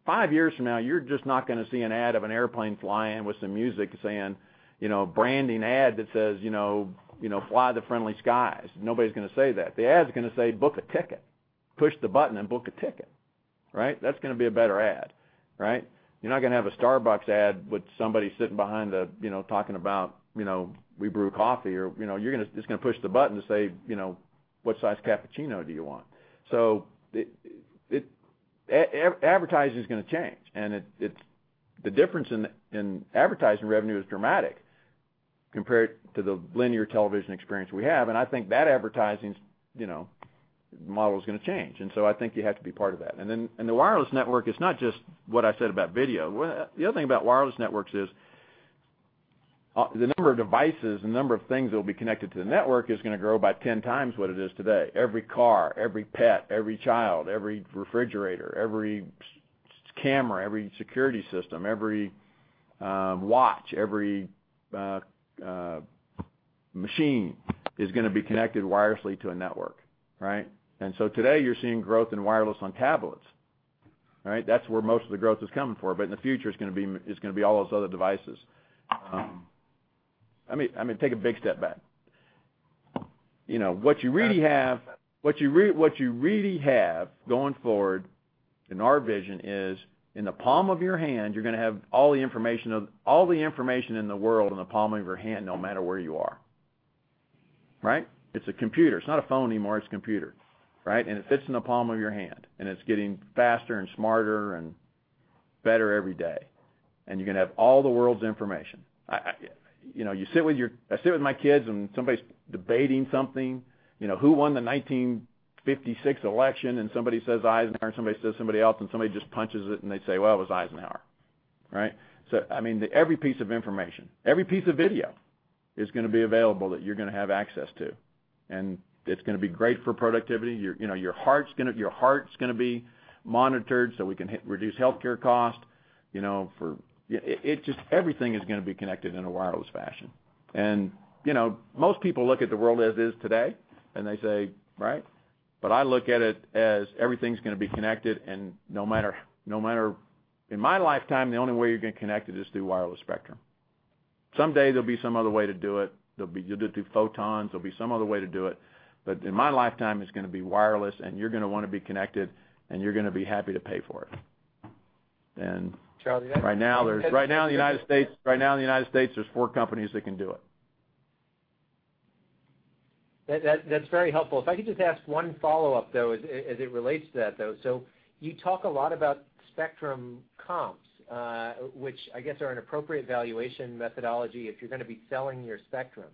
five years from now, you're just not gonna see an ad of an airplane flying with some music saying, you know, a branding ad that says, you know, you know, "Fly the friendly skies." Nobody's gonna say that. The ad's gonna say, "Book a ticket. Push the button and book a ticket," right? That's gonna be a better ad, right? You're not gonna have a Starbucks ad with somebody sitting behind a, you know, talking about, you know, we brew coffee or, you know. You're gonna just gonna push the button to say, you know, "What size cappuccino do you want?" Advertising is gonna change. The difference in advertising revenue is dramatic compared to the linear television experience we have. I think that advertising's, you know, model is gonna change. I think you have to be part of that. The wireless network is not just what I said about video. The other thing about wireless networks is the number of devices, the number of things that will be connected to the network is gonna grow by 10x what it is today. Every car, every pet, every child, every refrigerator, every camera, every security system, every watch, every machine is gonna be connected wirelessly to a network, right? Today, you're seeing growth in wireless on tablets, right? That's where most of the growth is coming for. In the future, it's gonna be it's gonna be all those other devices. I mean, I mean, take a big step back. You know, what you really have, what you really have going forward in our vision is in the palm of your hand, you're gonna have all the information in the world in the palm of your hand no matter where you are, right? It's a computer. It's not a phone anymore, it's a computer, right? It fits in the palm of your hand, and it's getting faster and smarter and better every day, and you're gonna have all the world's information. I, you know, I sit with my kids and somebody's debating something, you know, who won the 1956 election, and somebody says Dwight D. Eisenhower and somebody says somebody else, and somebody just punches it and they say, "Well, it was Eisenhower," right? I mean, every piece of information, every piece of video is gonna be available that you're gonna have access to, and it's gonna be great for productivity. Your, you know, your heart's gonna be monitored so we can reduce healthcare costs, you know, It just, everything is gonna be connected in a wireless fashion. You know, most people look at the world as it is today, and they say, "Right?" I look at it as everything's gonna be connected, and no matter In my lifetime, the only way you're getting connected is through wireless spectrum. Someday there'll be some other way to do it. There'll be, you'll do it through photons, there'll be some other way to do it. In my lifetime, it's gonna be wireless, and you're gonna wanna be connected, and you're gonna be happy to pay for it. Charlie, Right now in the United States, there's four companies that can do it. That's very helpful. If I could just ask one follow-up, though, as it relates to that, though. You talk a lot about spectrum comps, which I guess are an appropriate valuation methodology if you're gonna be selling your spectrum.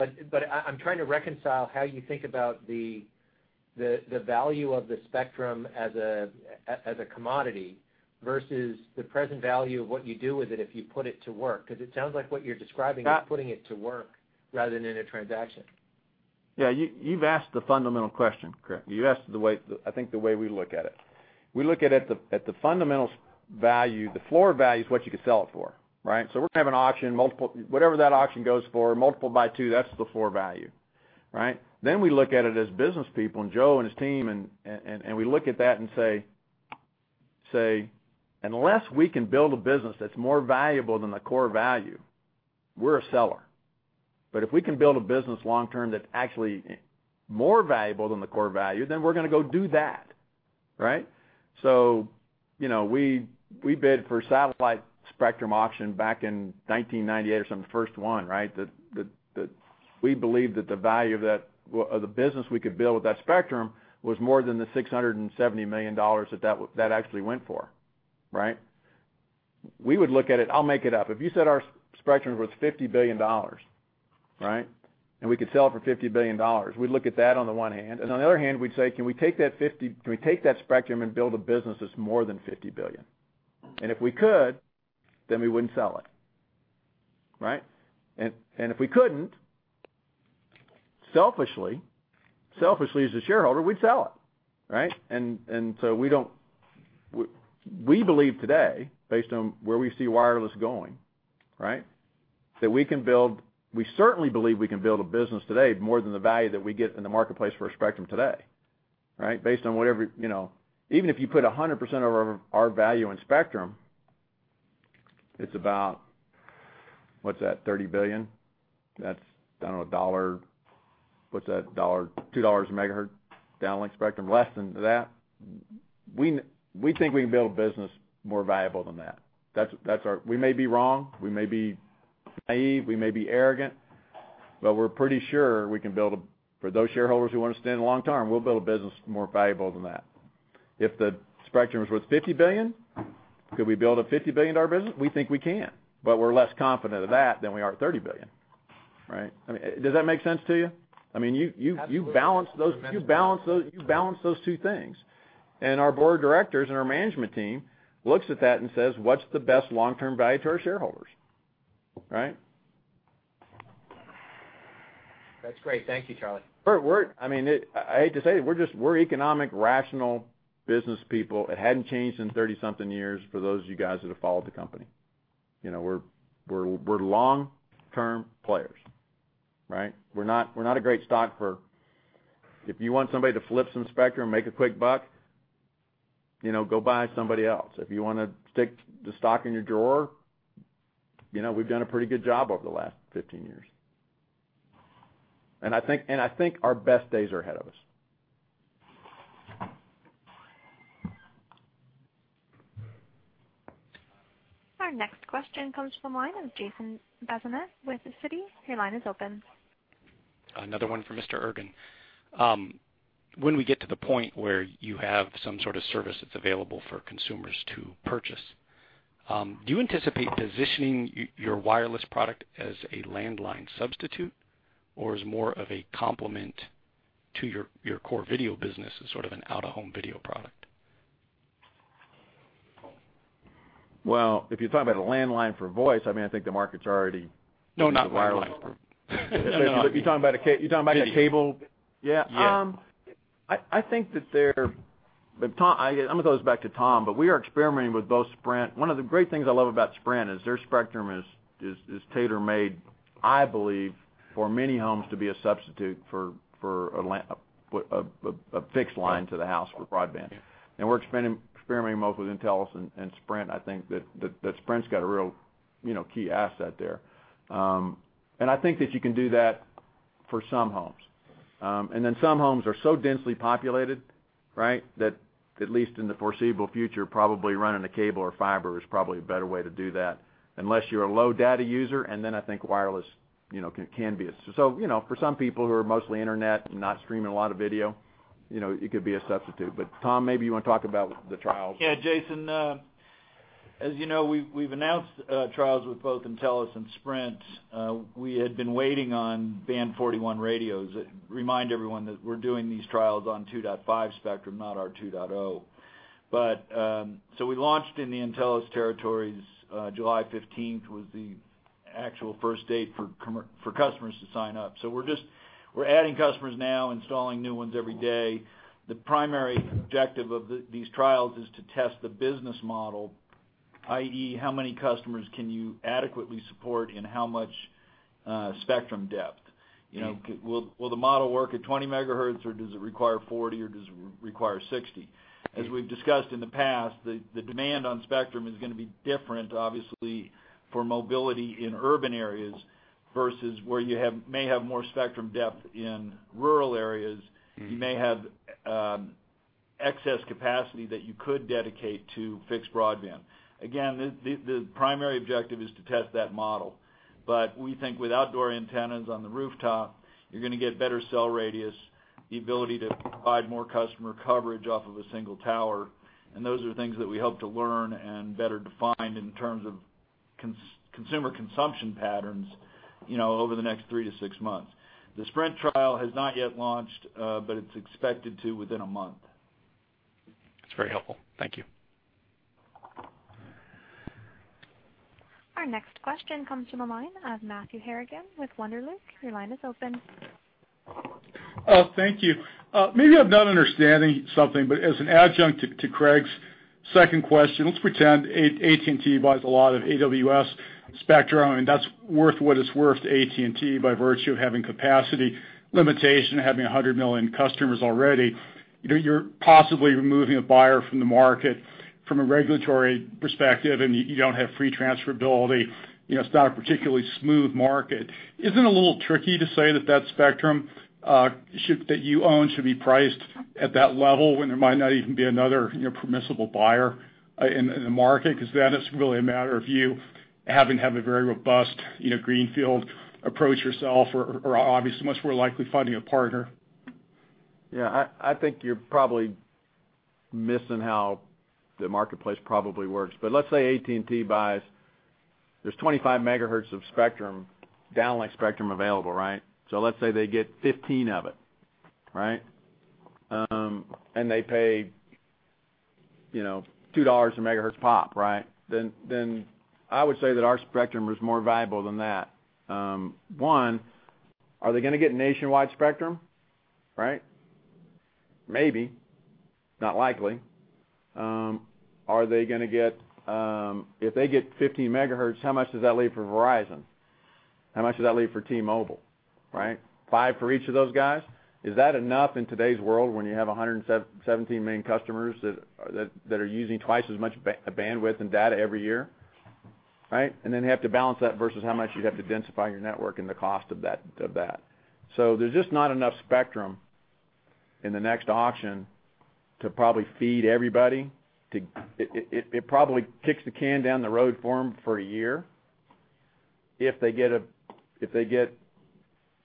I'm trying to reconcile how you think about the value of the spectrum as a commodity versus the present value of what you do with it if you put it to work. Uh- is putting it to work rather than in a transaction. Yeah, you've asked the fundamental question, Craig. You asked it the way, I think the way we look at it. We look at it at the fundamental value, the floor value is what you could sell it for, right? We're gonna have an auction, whatever that auction goes for, multiply it by two, that's the floor value, right? We look at it as businesspeople, and Joe and his team and we look at that and say, "Unless we can build a business that's more valuable than the core value, we're a seller. If we can build a business long term that's actually more valuable than the core value, we're gonna go do that," right? You know, we bid for satellite spectrum auction back in 1998 or something, the first one, right? We believed that the value of that or the business we could build with that spectrum was more than $670 million that actually went for, right? We would look at it, I'll make it up. If you said our spectrum was $50 billion, right? We could sell it for $50 billion, we'd look at that on the one hand, and on the other hand we'd say, "Can we take that spectrum and build a business that's more than $50 billion?" If we could, then we wouldn't sell it, right? If we couldn't, selfishly as a shareholder, we'd sell it, right? So we don't believe today, based on where we see wireless going, right. We certainly believe we can build a business today more than the value that we get in the marketplace for our spectrum today, right? Based on whatever, you know. Even if you put 100% of our value in spectrum, it's about, what's that? $30 billion. That's, I don't know, $1, what's that? $1, $2 a megahertz downlink spectrum, less than that. We think we can build a business more valuable than that. That's our. We may be wrong, we may be naive, we may be arrogant, but we're pretty sure we can build a, for those shareholders who want to stay in the long term, we'll build a business more valuable than that. If the spectrum was worth $50 billion, could we build a $50 billion business? We think we can, but we're less confident of that than we are at $30 billion, right? I mean, does that make sense to you? Absolutely You balance those two things. Our board of directors and our management team looks at that and says, "What's the best long-term value to our shareholders?" Right? That's great. Thank you, Charlie. I mean, we're just, we're economic, rational businesspeople. It hadn't changed in 30 something years for those of you guys that have followed the company. You know, we're long-term players, right? We're not a great stock for if you want somebody to flip some spectrum, make a quick buck, you know, go buy somebody else. If you wanna stick the stock in your drawer, you know, we've done a pretty good job over the last 15 years. I think our best days are ahead of us. Our next question comes from the line of Jason Bazinet with Citigroup. Your line is open. Another one for Mr. Ergen. When we get to the point where you have some sort of service that's available for consumers to purchase, do you anticipate positioning your wireless product as a landline substitute or as more of a complement to your core video business as sort of an out of home video product? Well, if you're talking about a landline for voice, I mean, I think the market's already. No, not wireless. You're talking about a cable? Yeah. I'm gonna throw this back to Tom, but we are experimenting with both Sprint. One of the great things I love about Sprint is their spectrum is tailor-made, I believe, for many homes to be a substitute for a fixed line to the house for broadband. We're experimenting mostly with nTelos and Sprint. I think that Sprint's got a real, you know, key asset there. I think that you can do that for some homes. Some homes are so densely populated, right, that at least in the foreseeable future, probably running a cable or fiber is probably a better way to do that. Unless you're a low data user, then I think wireless, you know. You know, for some people who are mostly internet and not streaming a lot of video, you know, it could be a substitute. Tom, maybe you wanna talk about the trials. Yeah, Jason, as you know, we've announced trials with both nTelos and Sprint. We had been waiting on Band 41 radios. Remind everyone that we're doing these trials on 2.5 spectrum, not our 2.0 spectrum. We launched in the nTelos territories July 15th, was the actual first date for customers to sign up. We're adding customers now, installing new ones every day. The primary objective of these trials is to test the business model, i.e., how many customers can you adequately support and how much spectrum depth? You know, will the model work at 20 megahertz or does it require 40 megahertz or does it require 60 megahertz? As we've discussed in the past, the demand on spectrum is gonna be different, obviously, for mobility in urban areas versus where you may have more spectrum depth in rural areas. You may have excess capacity that you could dedicate to fixed broadband. Again, the primary objective is to test that model. We think with outdoor antennas on the rooftop, you're going to get better cell radius, the ability to provide more customer coverage off of a single tower, and those are things that we hope to learn and better define in terms of consumer consumption patterns, you know, over the next three to six months. The Sprint trial has not yet launched, but it's expected to within a month. That's very helpful. Thank you. Our next question comes from the line of Matthew Harrigan with Wunderlich Securities. Your line is open. Oh, thank you. Maybe I'm not understanding something, but as an adjunct to Craig's second question, let's pretend AT&T buys a lot of AWS spectrum, and that's worth what it's worth to AT&T by virtue of having capacity limitation, having 100 million customers already. You know, you're possibly removing a buyer from the market from a regulatory perspective, and you don't have free transferability. You know, it's not a particularly smooth market. Isn't it a little tricky to say that that spectrum should be priced at that level when there might not even be another, you know, permissible buyer in the market? 'Cause then it's really a matter of you having to have a very robust, you know, greenfield approach yourself or obviously much more likely finding a partner. I think you're probably missing how the marketplace probably works. Let's say AT&T buys there's 25 megahertz of spectrum, downlink spectrum available, right? Let's say they get 15 megahertz of it, right? They pay, you know, $2 a megahertz pop, right? Then I would say that our spectrum was more valuable than that. One, are they gonna get nationwide spectrum, right? Maybe, not likely. Are they gonna get, if they get 15 megahertz, how much does that leave for Verizon? How much does that leave for T-Mobile, right? 5 megahertz for each of those guys? Is that enough in today's world when you have 117 million customers that are using twice as much bandwidth and data every year, right? Then have to balance that versus how much you'd have to densify your network and the cost of that. There's just not enough spectrum in the next auction to probably feed everybody. It probably kicks the can down the road for 'em for a year. If they get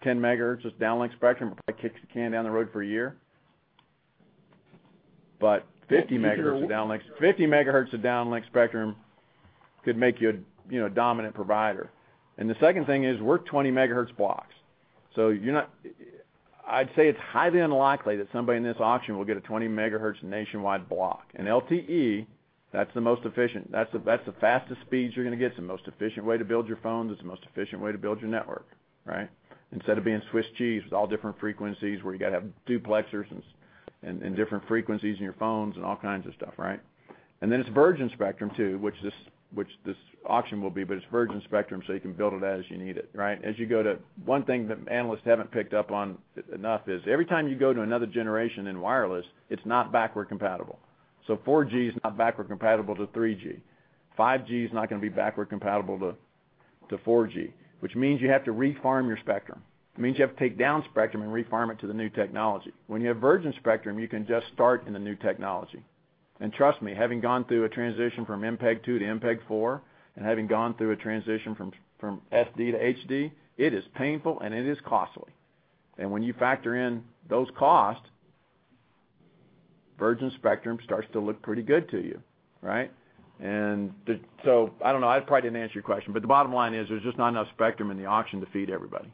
10 megahertz of downlink spectrum, it probably kicks the can down the road for a year. 50 megahertz of downlink. Do you think there were? 50 megahertz of downlink spectrum could make you a, you know, dominant provider. The second thing is, we're 20 megahertz blocks. I'd say it's highly unlikely that somebody in this auction will get a 20 megahertz nationwide block. LTE, that's the most efficient. That's the fastest speeds you're gonna get. It's the most efficient way to build your phones. It's the most efficient way to build your network, right? Instead of being Swiss cheese with all different frequencies where you gotta have duplexers and different frequencies in your phones and all kinds of stuff, right? Then it's virgin spectrum too, which this auction will be, but it's virgin spectrum, so you can build it as you need it, right? One thing that analysts haven't picked up on enough is every time you go to another generation in wireless, it's not backward compatible. 4G is not backward compatible to 3G. 5G is not gonna be backward compatible to 4G, which means you have to re-farm your spectrum. It means you have to take down spectrum and re-farm it to the new technology. When you have virgin spectrum, you can just start in the new technology. Trust me, having gone through a transition from MPEG-2 to MPEG-4 and having gone through a transition from SD to HD, it is painful, and it is costly. When you factor in those costs, virgin spectrum starts to look pretty good to you, right? I don't know. I probably didn't answer your question, but the bottom line is, there's just not enough spectrum in the auction to feed everybody.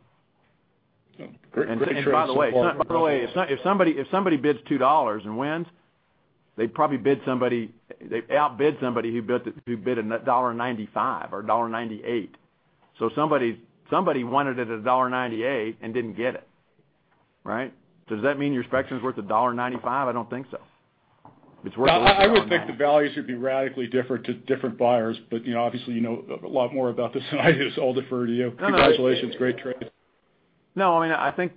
Okay. Great trade so far. By the way, if somebody bids $2 and wins, they probably outbid somebody who bid $1.95 or $1.98. Somebody wanted it at $1.98 and didn't get it, right? Does that mean your spectrum's worth $1.95? I don't think so. It's worth at least $1.09- I would think the value should be radically different to different buyers. You know, obviously you know a lot more about this than I do. I'll defer to you. No. Congratulations. Great trade. No, I think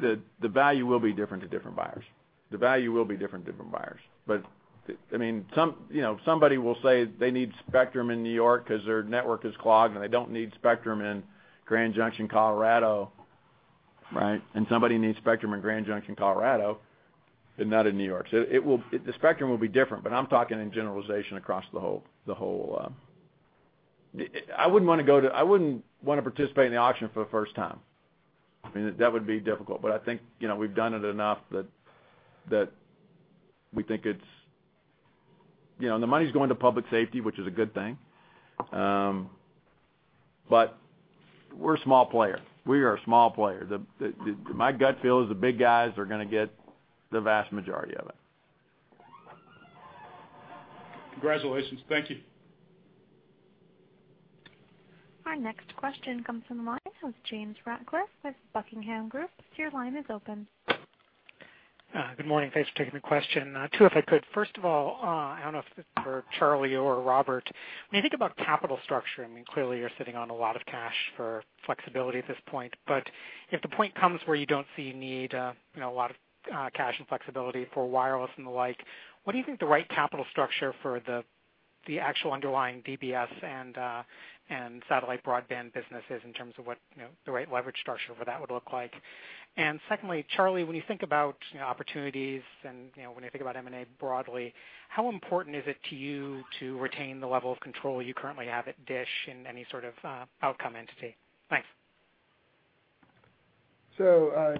the value will be different to different buyers. The value will be different to different buyers. Some, you know, somebody will say they need spectrum in New York 'cause their network is clogged, and they don't need spectrum in Grand Junction, Colorado. Somebody needs spectrum in Grand Junction, Colorado, but not in New York. The spectrum will be different, but I'm talking in generalization across the whole. I wouldn't wanna participate in the auction for the first time. That would be difficult, but I think, you know, we've done it enough that we think it's. And the money's going to public safety, which is a good thing. We're a small player. We are a small player. The my gut feel is the big guys are gonna get the vast majority of it. Congratulations. Thank you. Our next question comes from the line of James Ratcliffe with Buckingham Group. Your line is open. Good morning. Thanks for taking the question. Two, if I could. First of all, I don't know if this is for Charlie or Robert. When you think about capital structure, I mean, clearly you're sitting on a lot of cash for flexibility at this point. If the point comes where you don't see you need, you know, a lot of cash and flexibility for wireless and the like, what do you think the right capital structure for the actual underlying DBS and satellite broadband business is in terms of what, you know, the right leverage structure for that would look like? Secondly, Charlie, when you think about, you know, opportunities and, you know, when you think about M&A broadly, how important is it to you to retain the level of control you currently have at DISH in any sort of outcome entity? Thanks.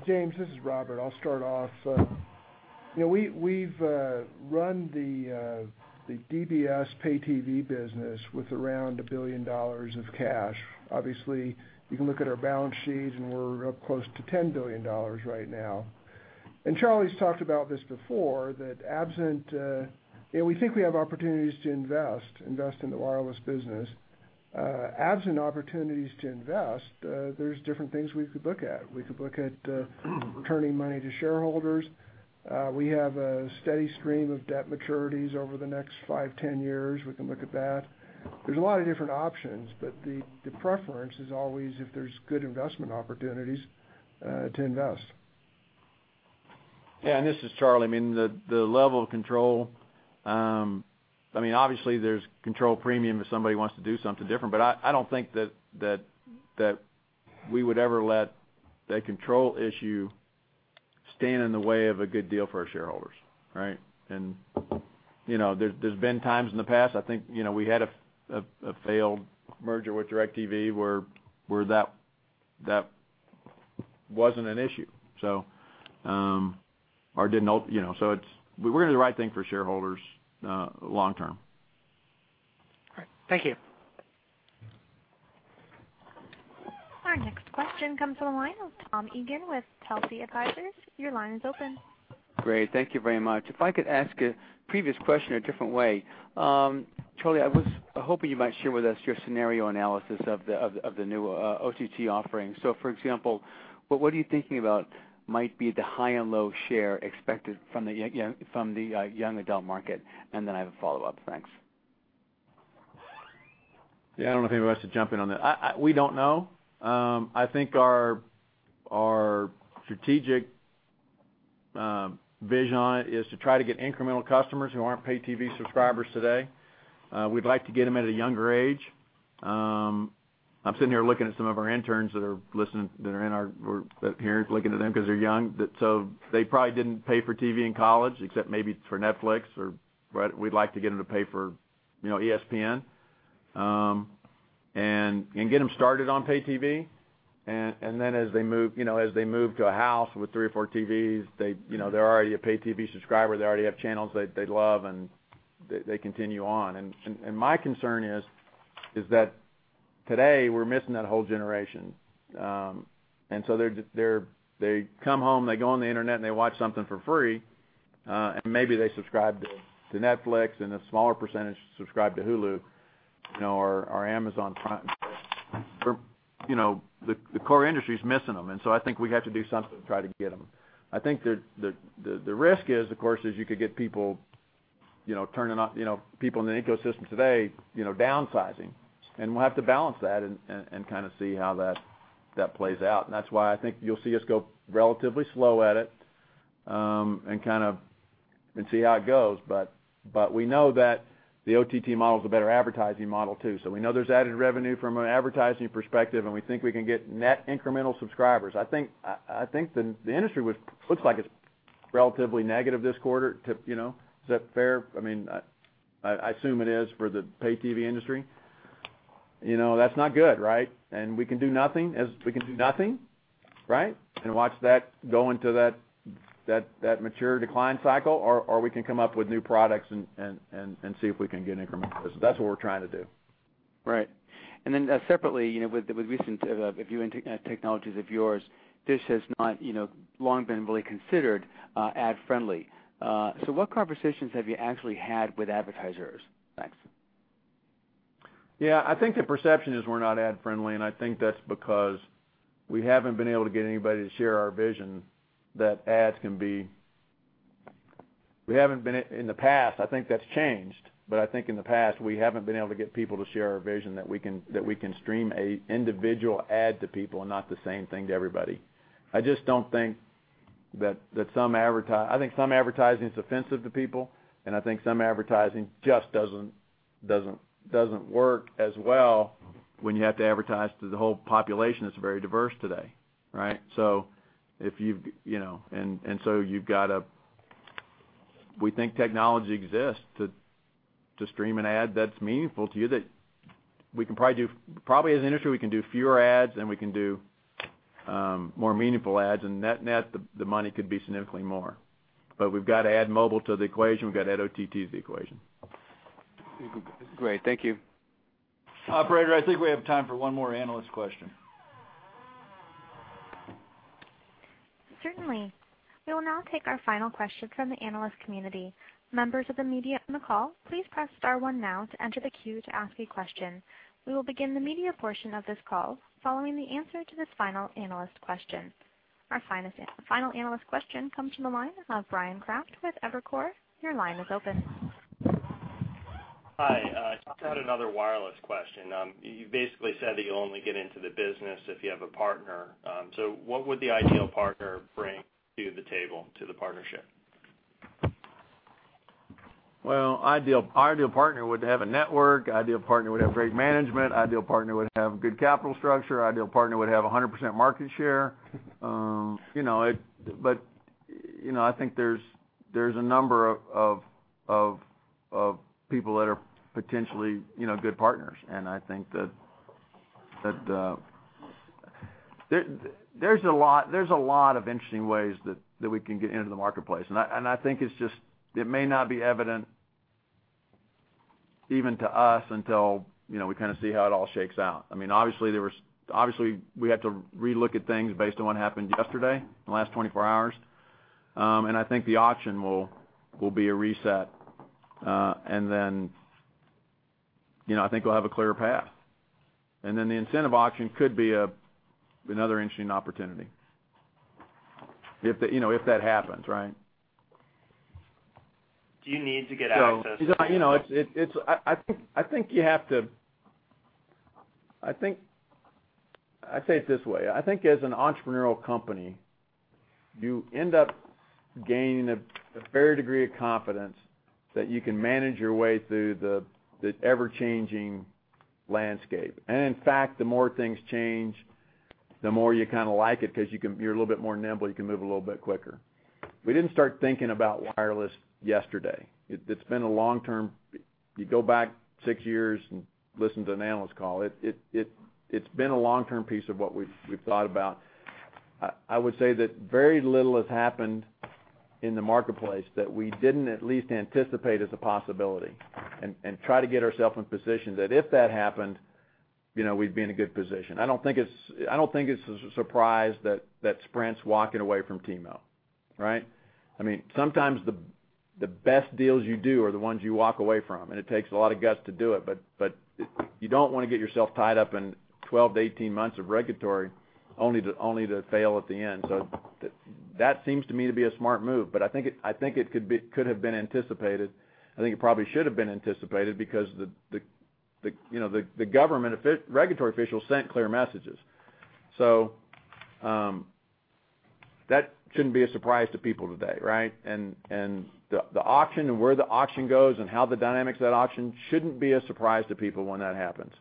James, this is Robert. I'll start off. You know, we've run the DBS pay-TV business with around $1 billion of cash. Obviously, you can look at our balance sheets, and we're up close to $10 billion right now. Charlie's talked about this before, that absent You know, we think we have opportunities to invest in the wireless business. Absent opportunities to invest, there's different things we could look at. We could look at returning money to shareholders. We have a steady stream of debt maturities over the next five, 10 years. We can look at that. There's a lot of different options, but the preference is always if there's good investment opportunities to invest. Yeah, and this is Charlie. I mean, the level of control, I mean, obviously there's control premium if somebody wants to do something different, but I don't think that we would ever let that control issue stand in the way of a good deal for our shareholders, right? You know, there's been times in the past, I think, you know, we had a failed merger with DIRECTV where that wasn't an issue. You know, it's We're doing the right thing for shareholders, long term. All right. Thank you. Our next question comes from the line of Tom Eagan with Telsey Advisory Group. Your line is open. Great. Thank you very much. If I could ask a previous question a different way. Charlie, I was hoping you might share with us your scenario analysis of the new OTT offering. For example, what are you thinking about might be the high and low share expected from the young adult market? I have a follow-up. Thanks. Yeah, I don't know if either of us should jump in on that. We don't know. I think our strategic vision on it is to try to get incremental customers who aren't pay-TV subscribers today. We'd like to get them at a younger age. I'm sitting here looking at some of our interns that are listening, that are in our here, looking at them 'cause they're young. They probably didn't pay for TV in college except maybe for Netflix or We'd like to get them to pay for, you know, ESPN, and get them started on pay-TV. Then as they move, you know, as they move to a house with three or four TVs, they, you know, they're already a pay-TV subscriber, they already have channels they love, and they continue on. My concern is that today we're missing that whole generation. They're just, they come home, they go on the internet, and they watch something for free, and maybe they subscribe to Netflix, and a smaller percentage subscribe to Hulu, you know, or Amazon Prime. You know, the core industry's missing them, and so I think we have to do something to try to get them. I think the, the risk is, of course, is you could get people, you know, turning off, you know, people in the ecosystem today, you know, downsizing. We'll have to balance that and kind of see how that plays out. That's why I think you'll see us go relatively slow at it and kind of see how it goes. We know that the OTT model is a better advertising model too. We know there's added revenue from an advertising perspective, and we think we can get net incremental subscribers. I think the industry was, looks like it's relatively negative this quarter to, you know. Is that fair? I mean, I assume it is for the pay-TV industry. You know, that's not good, right? We can do nothing as we can do nothing, right? Watch that go into that mature decline cycle, or we can come up with new products and see if we can get incremental. That's what we're trying to do. Right. Then, separately, you know, with recent technologies of yours, DISH has not, you know, long been really considered ad friendly. What conversations have you actually had with advertisers? Thanks. I think the perception is we're not ad-friendly, and I think that's because we haven't been able to get anybody to share our vision. We haven't been, in the past, I think that's changed. I think in the past, we haven't been able to get people to share our vision that we can stream a individual ad to people and not the same thing to everybody. I just don't think some advertising is offensive to people, and I think some advertising just doesn't work as well when you have to advertise to the whole population that's very diverse today, right? If you've, you know, and so you've gotta We think technology exists to stream an ad that's meaningful to you that we can probably do as an industry, we can do fewer ads, and we can do more meaningful ads. Net net, the money could be significantly more. We've got to add mobile to the equation. We've got to add OTT to the equation. Great. Thank you. Operator, I think we have time for one more analyst question. Certainly. We will now take our final question from the analyst community. Members of the media on the call, please press star one now to enter the queue to ask a question. We will begin the media portion of this call following the answer to this final analyst question. Our final analyst question comes from the line of Bryan Kraft with Evercore. Your line is open. Hi. Just had another wireless question. You basically said that you'll only get into the business if you have a partner. What would the ideal partner bring to the table, to the partnership? Well, ideal partner would have a network. Ideal partner would have great management. Ideal partner would have good capital structure. Ideal partner would have a 100% market share. You know, I think there's a number of people that are potentially, you know, good partners. I think that there's a lot of interesting ways that we can get into the marketplace. I think it's just, it may not be evident even to us until, you know, we kinda see how it all shakes out. I mean, obviously, we have to relook at things based on what happened yesterday, in the last 24 hours. I think the auction will be a reset. You know, I think we'll have a clearer path. The incentive auction could be another interesting opportunity if the, you know, if that happens, right? Do you need to get access to You know, it's, I'd say it this way. I think as an entrepreneurial company, you end up gaining a fair degree of confidence that you can manage your way through the ever-changing landscape. In fact, the more things change, the more you kinda like it 'cause you're a little bit more nimble, you can move a little bit quicker. We didn't start thinking about wireless yesterday. You go back six years and listen to an analyst call, it's been a long-term piece of what we've thought about. I would say that very little has happened in the marketplace that we didn't at least anticipate as a possibility and try to get ourself in position that if that happened, you know, we'd be in a good position. I don't think it's a surprise that Sprint's walking away from T-Mobile, right? I mean, sometimes the best deals you do are the ones you walk away from, and it takes a lot of guts to do it. You don't wanna get yourself tied up in 12 to 18 months of regulatory only to fail at the end. That seems to me to be a smart move. I think it could have been anticipated. I think it probably should have been anticipated because the, you know, the regulatory officials sent clear messages. That shouldn't be a surprise to people today, right? The auction and where the auction goes and how the dynamics of that auction shouldn't be a surprise to people when that happens.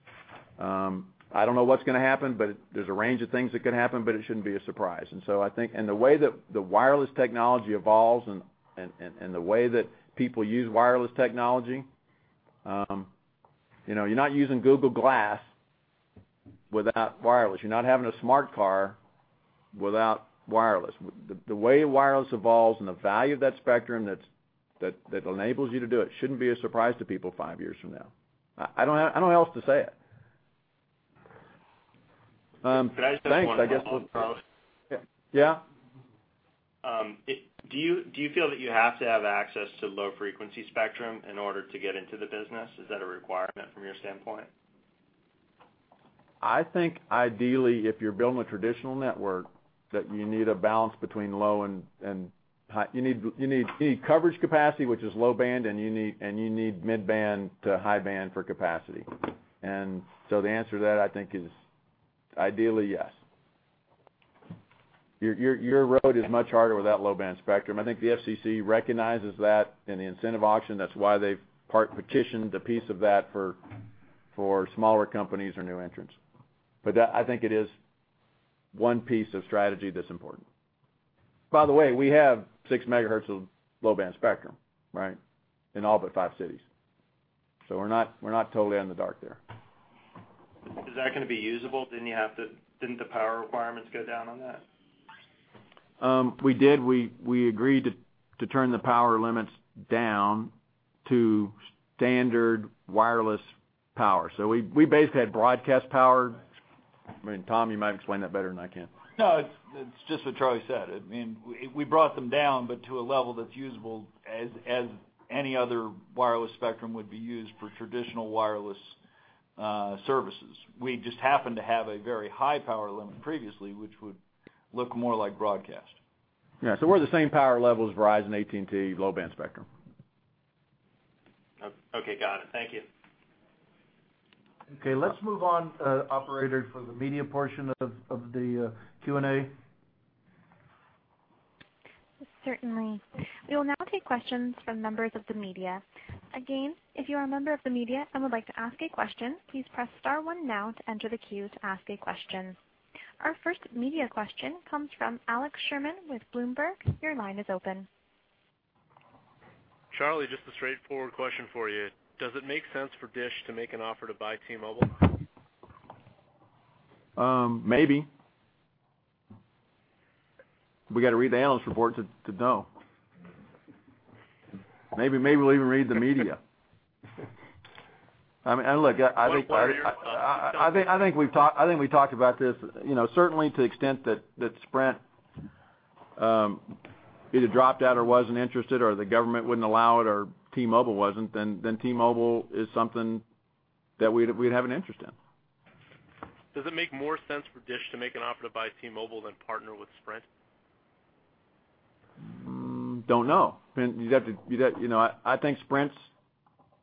I don't know what's gonna happen, but there's a range of things that could happen, but it shouldn't be a surprise. I think, and the way that the wireless technology evolves and the way that people use wireless technology, you know, you're not using Google Glass without wireless. You're not having a smart car without wireless. The way wireless evolves and the value of that spectrum that enables you to do it shouldn't be a surprise to people five years from now. I don't know how else to say it. Thanks. Could I just one follow-up though? Yeah. Do you feel that you have to have access to low frequency spectrum in order to get into the business? Is that a requirement from your standpoint? I think ideally, if you're building a traditional network, that you need a balance between low and high. You need coverage capacity, which is low band, and you need mid band to high band for capacity. The answer to that, I think, is ideally, yes. Your road is much harder without low band spectrum. I think the FCC recognizes that in the incentive auction. That's why they've partitioned a piece of that for smaller companies or new entrants. That, I think it is one piece of strategy that's important. By the way, we have six megahertz of low band spectrum, right, in all but five cities. We're not totally in the dark there. Is that gonna be usable? Didn't the power requirements go down on that? We did. We agreed to turn the power limits down to standard wireless power. We basically had broadcast power. I mean, Tom, you might explain that better than I can. It's just what Charlie said. I mean, we brought them down, but to a level that's usable as any other wireless spectrum would be used for traditional wireless services. We just happened to have a very high power limit previously, which would look more like broadcast. Yeah. We're the same power level as Verizon, AT&T low-band spectrum. Okay, got it. Thank you. Okay, let's move on, operator, for the media portion of the Q&A. Certainly. We will now take questions from members of the media. Again, if you are a member of the media and would like to ask a question, please press star one now to enter the queue to ask a question. Our first media question comes from Alex Sherman with Bloomberg. Your line is open. Charlie, just a straightforward question for you. Does it make sense for Dish to make an offer to buy T-Mobile? Maybe. We gotta read the analyst report to know. Maybe we'll even read the media. I mean, look, I think we talked about this. You know, certainly to the extent that Sprint either dropped out or wasn't interested or the government wouldn't allow it or T-Mobile wasn't, then T-Mobile is something that we'd have an interest in. Does it make more sense for Dish to make an offer to buy T-Mobile than partner with Sprint? Don't know. You'd have You know, I think Sprint's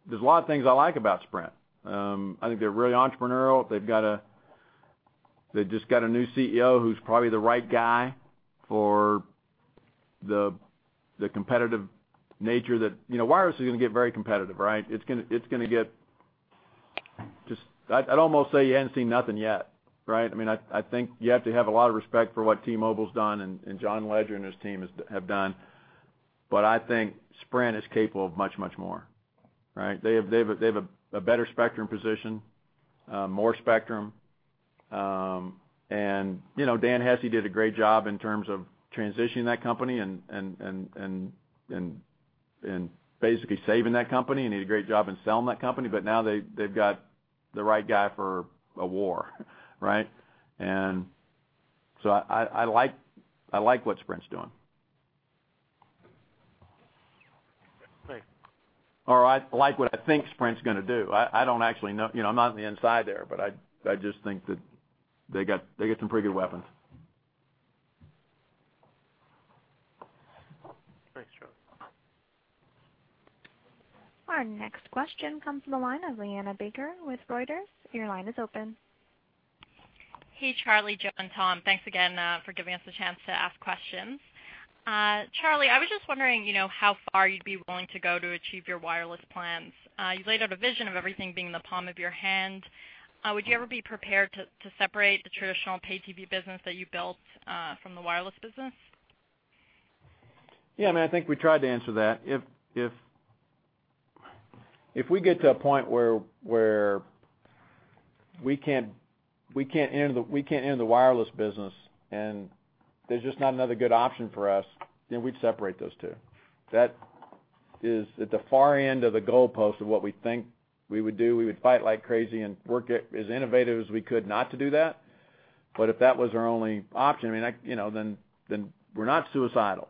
There's a lot of things I like about Sprint. I think they're really entrepreneurial. They've just got a new CEO who's probably the right guy for the competitive nature that You know, wireless is gonna get very competitive, right? It's gonna get just I'd almost say you haven't seen nothing yet, right? I mean, I think you have to have a lot of respect for what T-Mobile's done and John Legere and his team have done. I think Sprint is capable of much, much more, right? They have a better spectrum position, more spectrum. And, you know, Dan Hesse did a great job in terms of transitioning that company and basically saving that company, and did a great job in selling that company. Now they've got the right guy for a war, right? I like what Sprint's doing. Thanks. I like what I think Sprint's going to do. I don't actually know. You know, I'm not on the inside there, but I just think that they got some pretty good weapons. Thanks, Charlie. Our next question comes from the line of Liana B. Baker with Reuters. Your line is open. Hey, Charlie, Joe, and Tom. Thanks again for giving us a chance to ask questions. Charlie, I was just wondering, you know, how far you'd be willing to go to achieve your wireless plans. You've laid out a vision of everything being in the palm of your hand. Would you ever be prepared to separate the traditional pay-TV business that you've built from the wireless business? Yeah, I mean, I think we tried to answer that. If we get to a point where we can't end the wireless business, and there's just not another good option for us, then we'd separate those two. That is at the far end of the goalpost of what we think we would do. We would fight like crazy and work at as innovative as we could not to do that. If that was our only option, I mean, you know, then we're not suicidal,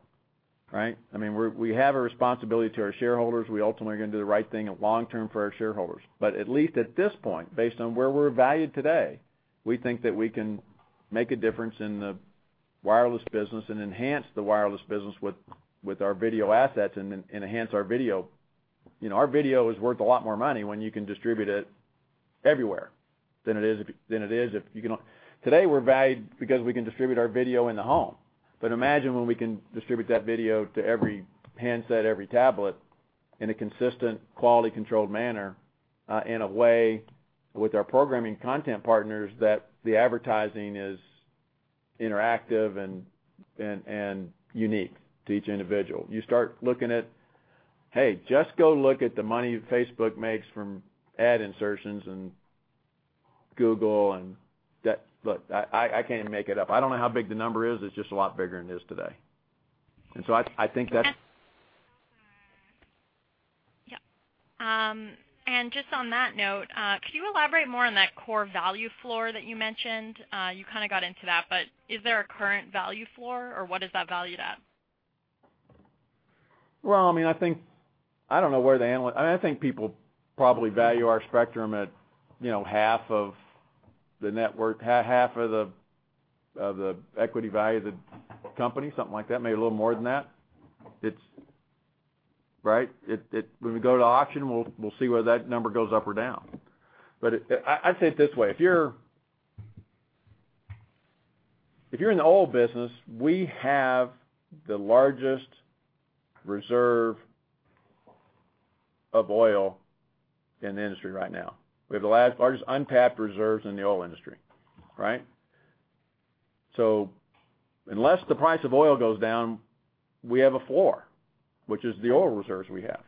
right? I mean, we have a responsibility to our shareholders. We ultimately are gonna do the right thing long term for our shareholders. At least at this point, based on where we're valued today, we think that we can make a difference in the wireless business and enhance the wireless business with our video assets and enhance our video. You know, our video is worth a lot more money when you can distribute it everywhere than it is if you can. Today, we're valued because we can distribute our video in the home. Imagine when we can distribute that video to every handset, every tablet in a consistent, quality controlled manner, in a way with our programming content partners that the advertising is interactive and unique to each individual. You start looking at Hey, just go look at the money Facebook makes from ad insertions and Google and that look, I can't even make it up. I don't know how big the number is. It's just a lot bigger than it is today. Yeah. Just on that note, could you elaborate more on that core value floor that you mentioned? You kinda got into that, but is there a current value floor, or what is that valued at? Well, I mean, I think I don't know where I think people probably value our spectrum at, you know, half of the net worth, half of the equity value of the company, something like that, maybe a little more than that. It's right? When we go to auction, we'll see whether that number goes up or down. I'd say it this way. If you're in the oil business, we have the largest reserve of oil in the industry right now. We have the last largest untapped reserves in the oil industry, right? Unless the price of oil goes down, we have a floor, which is the oil reserves we have.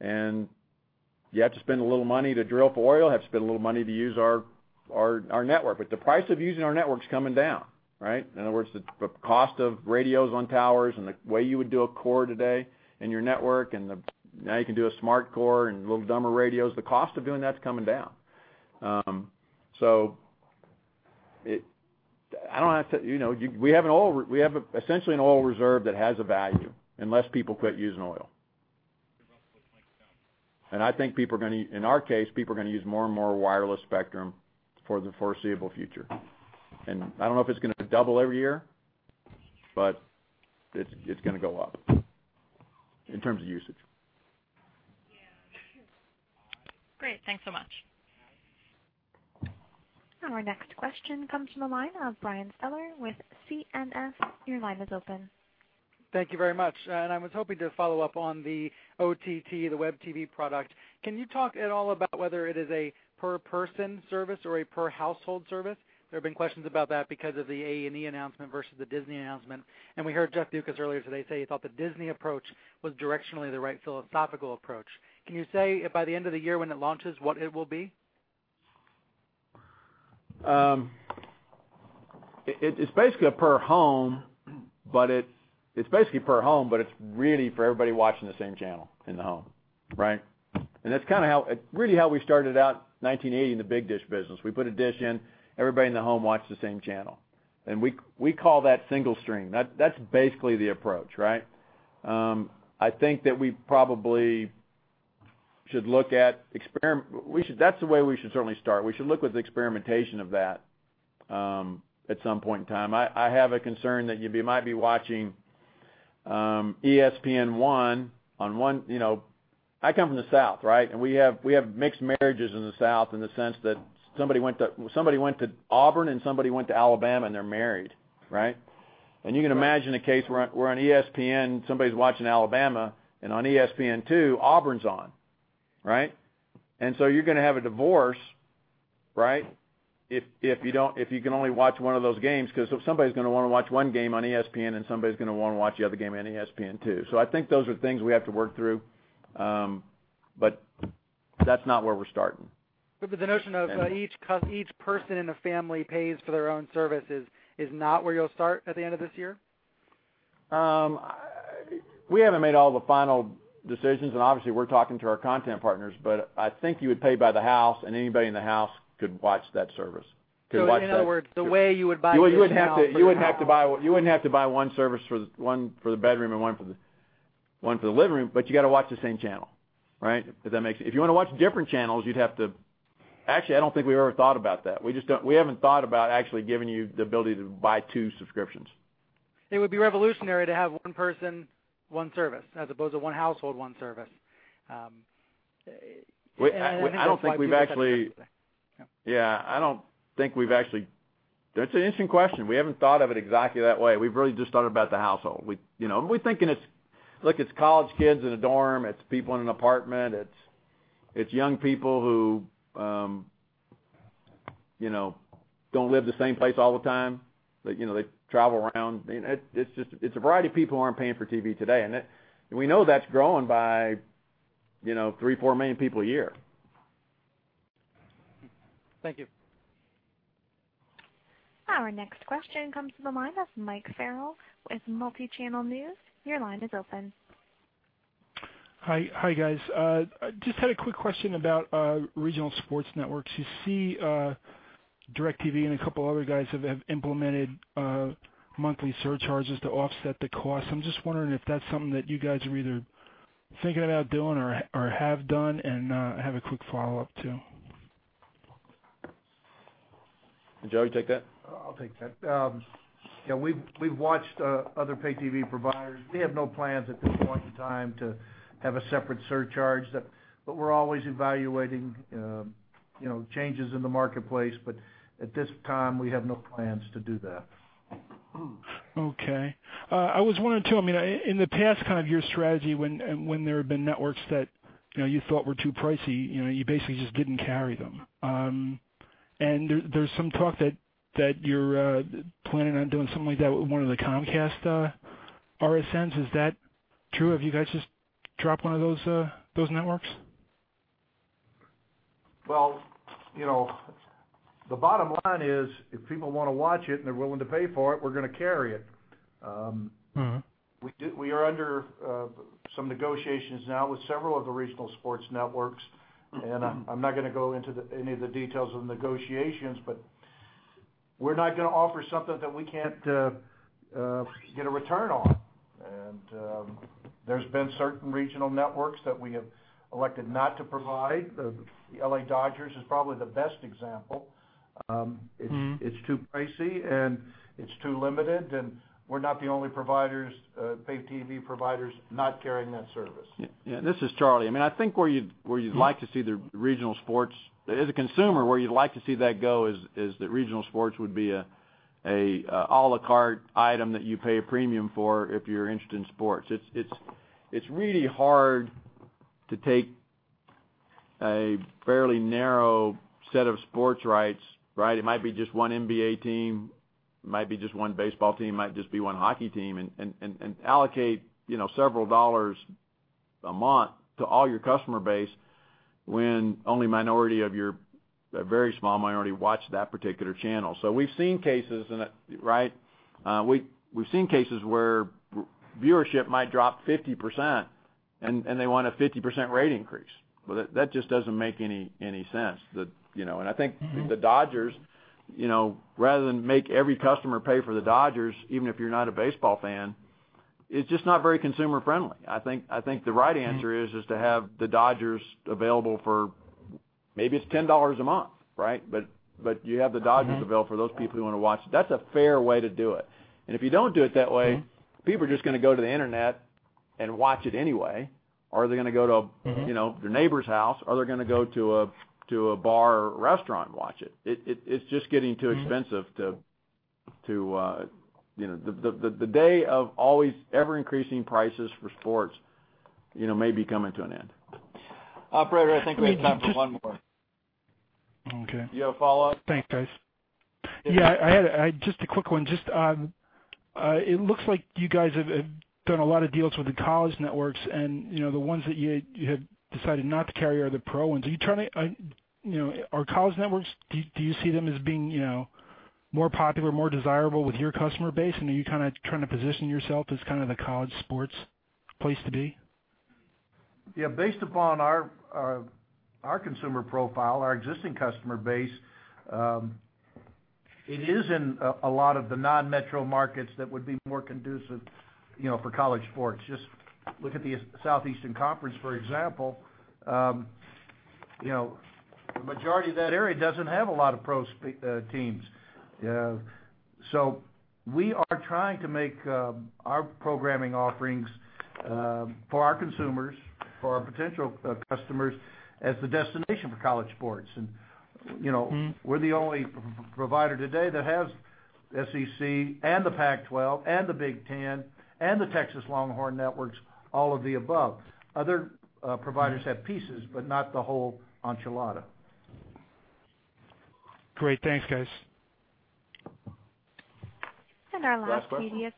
You have to spend a little money to drill for oil, have to spend a little money to use our, our network, but the price of using our network's coming down, right? In other words, the cost of radios on towers and the way you would do a core today in your network and the Now you can do a smart core and little dumber radios. The cost of doing that's coming down. I don't have to, you know, you We have, essentially, an oil reserve that has a value, unless people quit using oil. I think people are gonna, in our case, people are gonna use more and more wireless spectrum for the foreseeable future. I don't know if it's gonna double every year, but it's gonna go up in terms of usage. Great. Thanks so much. Our next question comes from the line of Brian Keller with CNS. Your line is open. Thank you very much. I was hoping to follow up on the OTT, the WebTV product. Can you talk at all about whether it is a per person service or a per household service? There have been questions about that because of the A&E announcement versus the Disney announcement, and we heard Jeff Bewkes earlier today say he thought the Disney approach was directionally the right philosophical approach. Can you say by the end of the year when it launches what it will be? it's basically a per home, but it's basically per home, but it's really for everybody watching the same channel in the home, right? That's kinda how, really how we started out 1980 in the big dish business. We put a dish in. Everybody in the home watched the same channel, and we call that single stream. That's basically the approach, right? I think that we should That's the way we should certainly start. We should look with the experimentation of that, at some point in time. I have a concern that you might be watching ESPN on one, you know I come from the South, right? We have mixed marriages in the South in the sense that somebody went to Auburn and somebody went to Alabama and they're married, right? You can imagine a case where on ESPN somebody's watching Alabama and on ESPN2 Auburn's on, right? You're gonna have a divorce, right? If you can only watch one of those games, 'cause somebody's gonna wanna watch one game on ESPN and somebody's gonna wanna watch the other game on ESPN2. I think those are things we have to work through, but that's not where we're starting. The notion of each person in the family pays for their own services is not where you'll start at the end of this year? We haven't made all the final decisions. Obviously, we're talking to our content partners. I think you would pay by the house and anybody in the house could watch that service. In other words, the way you would buy DISH now for your home. You wouldn't have to buy one service for one for the bedroom and one for the living room, but you gotta watch the same channel, right? If you wanna watch different channels, Actually, I don't think we ever thought about that. We haven't thought about actually giving you the ability to buy two subscriptions. It would be revolutionary to have one person, one service, as opposed to one household, one service. I don't know why people haven't done that. I don't think we've actually. That's an interesting question. We haven't thought of it exactly that way. We've really just thought about the household. We, you know, we're thinking it's, look, it's college kids in a dorm, it's people in an apartment, it's young people who, you know, don't live the same place all the time. They, you know, they travel around. I mean, it's just, it's a variety of people who aren't paying for TV today, we know that's growing by, you know, three, four million people a year. Thank you. Our next question comes from the line of Mike Farrell with Multichannel News. Your line is open. Hi. Hi, guys. Just had a quick question about regional sports networks. You see, DIRECTV and a couple other guys have implemented monthly surcharges to offset the cost. I'm just wondering if that's something that you guys are either thinking about doing or have done. I have a quick follow-up, too. Joe, take that? I'll take that. Yeah, we've watched other pay-TV providers. We have no plans at this point in time to have a separate surcharge. We're always evaluating, you know, changes in the marketplace. At this time, we have no plans to do that. Okay. I was wondering, too, I mean, in the past, kind of your strategy when there have been networks that, you know, you thought were too pricey, you know, you basically just didn't carry them. There's some talk that you're planning on doing something like that with one of the Comcast RSNs. Is that true? Have you guys just dropped one of those networks? Well, you know, the bottom line is if people wanna watch it and they're willing to pay for it, we're gonna carry it. We are under some negotiations now with several of the regional sports networks, I'm not gonna go into any of the details of the negotiations, we're not gonna offer something that we can't get a return on. There's been certain regional networks that we have elected not to provide. The Los Angeles Dodgers is probably the best example. It's too pricey and it's too limited, and we're not the only providers, pay-TV providers not carrying that service. Yeah, this is Charlie. I mean, I think where you'd like to see the Regional Sports as a consumer, where you'd like to see that go is that Regional Sports would be a à la carte item that you pay a premium for if you're interested in sports. It's really hard to take a fairly narrow set of sports rights, right? It might be just one NBA team, might be just one baseball team, might just be one hockey team, and allocate, you know, several dollars a month to all your customer base when only a minority of a very small minority watch that particular channel. We've seen cases and it Right? We've seen cases where viewership might drop 50% and they want a 50% rate increase. Well, that just doesn't make any sense. The Los Angeles Dodgers, you know, rather than make every customer pay for the Los Angeles Dodgers, even if you're not a baseball fan, is just not very consumer friendly. I think the right answer is to have the Los Angeles Dodgers available for maybe it's $10 a month, right? Available for those people who wanna watch. That's a fair way to do it. If you don't do it that way- People are just gonna go to the internet and watch it anyway. You know, their neighbor's house, or they're gonna go to a bar or restaurant and watch it. It's just getting too expensive. You know, the day of always ever increasing prices for sports, you know, may be coming to an end. Operator, I think we have time for one more. Okay. Do you have a follow-up? Thanks, guys. Yeah, I had just a quick one. Just, it looks like you guys have done a lot of deals with the college networks and, you know, the ones that you have decided not to carry are the pro ones. Are you trying to, you know, are college networks, do you see them as being, you know, more popular, more desirable with your customer base? Are you kinda trying to position yourself as kind of the college sports place to be? Yeah. Based upon our consumer profile, our existing customer base, it is in a lot of the non-metro markets that would be more conducive, you know, for college sports. Just look at the Southeastern Conference, for example, you know, the majority of that area doesn't have a lot of pro teams. We are trying to make our programming offerings for our consumers, for our potential customers as the destination for college sports. we're the only provider today that has SEC and the Pac-12 and the Big Ten and the Longhorn Network networks, all of the above. Other providers have pieces, but not the whole enchilada. Great. Thanks, guys. Our last media. Last question.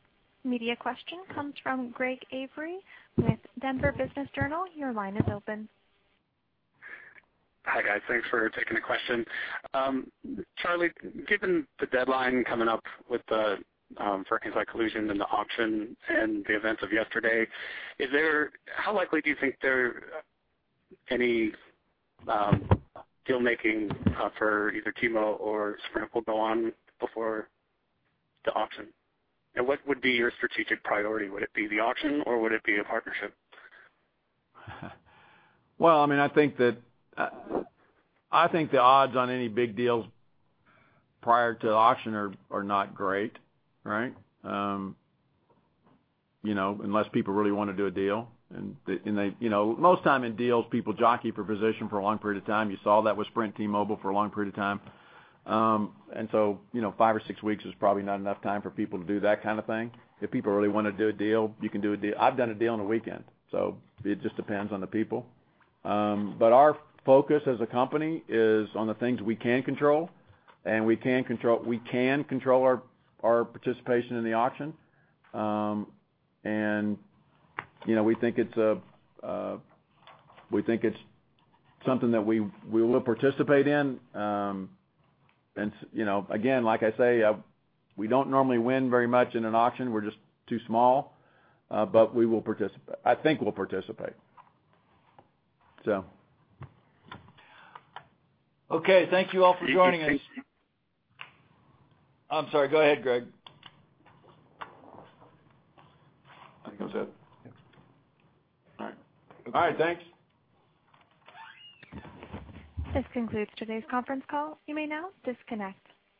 Media question comes from Greg Avery with Denver Business Journal. Your line is open. Hi, guys. Thanks for taking the question. Charlie, given the deadline coming up with the anti-collusion and the auction and the events of yesterday, how likely do you think there any deal making for either T-Mobile or Sprint will go on before the auction? What would be your strategic priority? Would it be the auction, or would it be a partnership? Well, I mean, I think that, I think the odds on any big deals prior to the auction are not great, right? You know, unless people really wanna do a deal and they, you know, most time in deals people jockey for position for a long period of time. You saw that with Sprint, T-Mobile for a long period of time. You know, five or six weeks is probably not enough time for people to do that kind of thing. If people really wanna do a deal, you can do a deal. I've done a deal on a weekend. It just depends on the people. Our focus as a company is on the things we can control. We can control our participation in the auction. You know, we think it's something that we will participate in. You know, again, like I say, we don't normally win very much in an auction. We're just too small. We will participate. I think we'll participate. Okay. Thank you all for joining us. I'm sorry. Go ahead, Greg. I think that's it. All right. All right, thanks. This concludes today's conference call. You may now disconnect.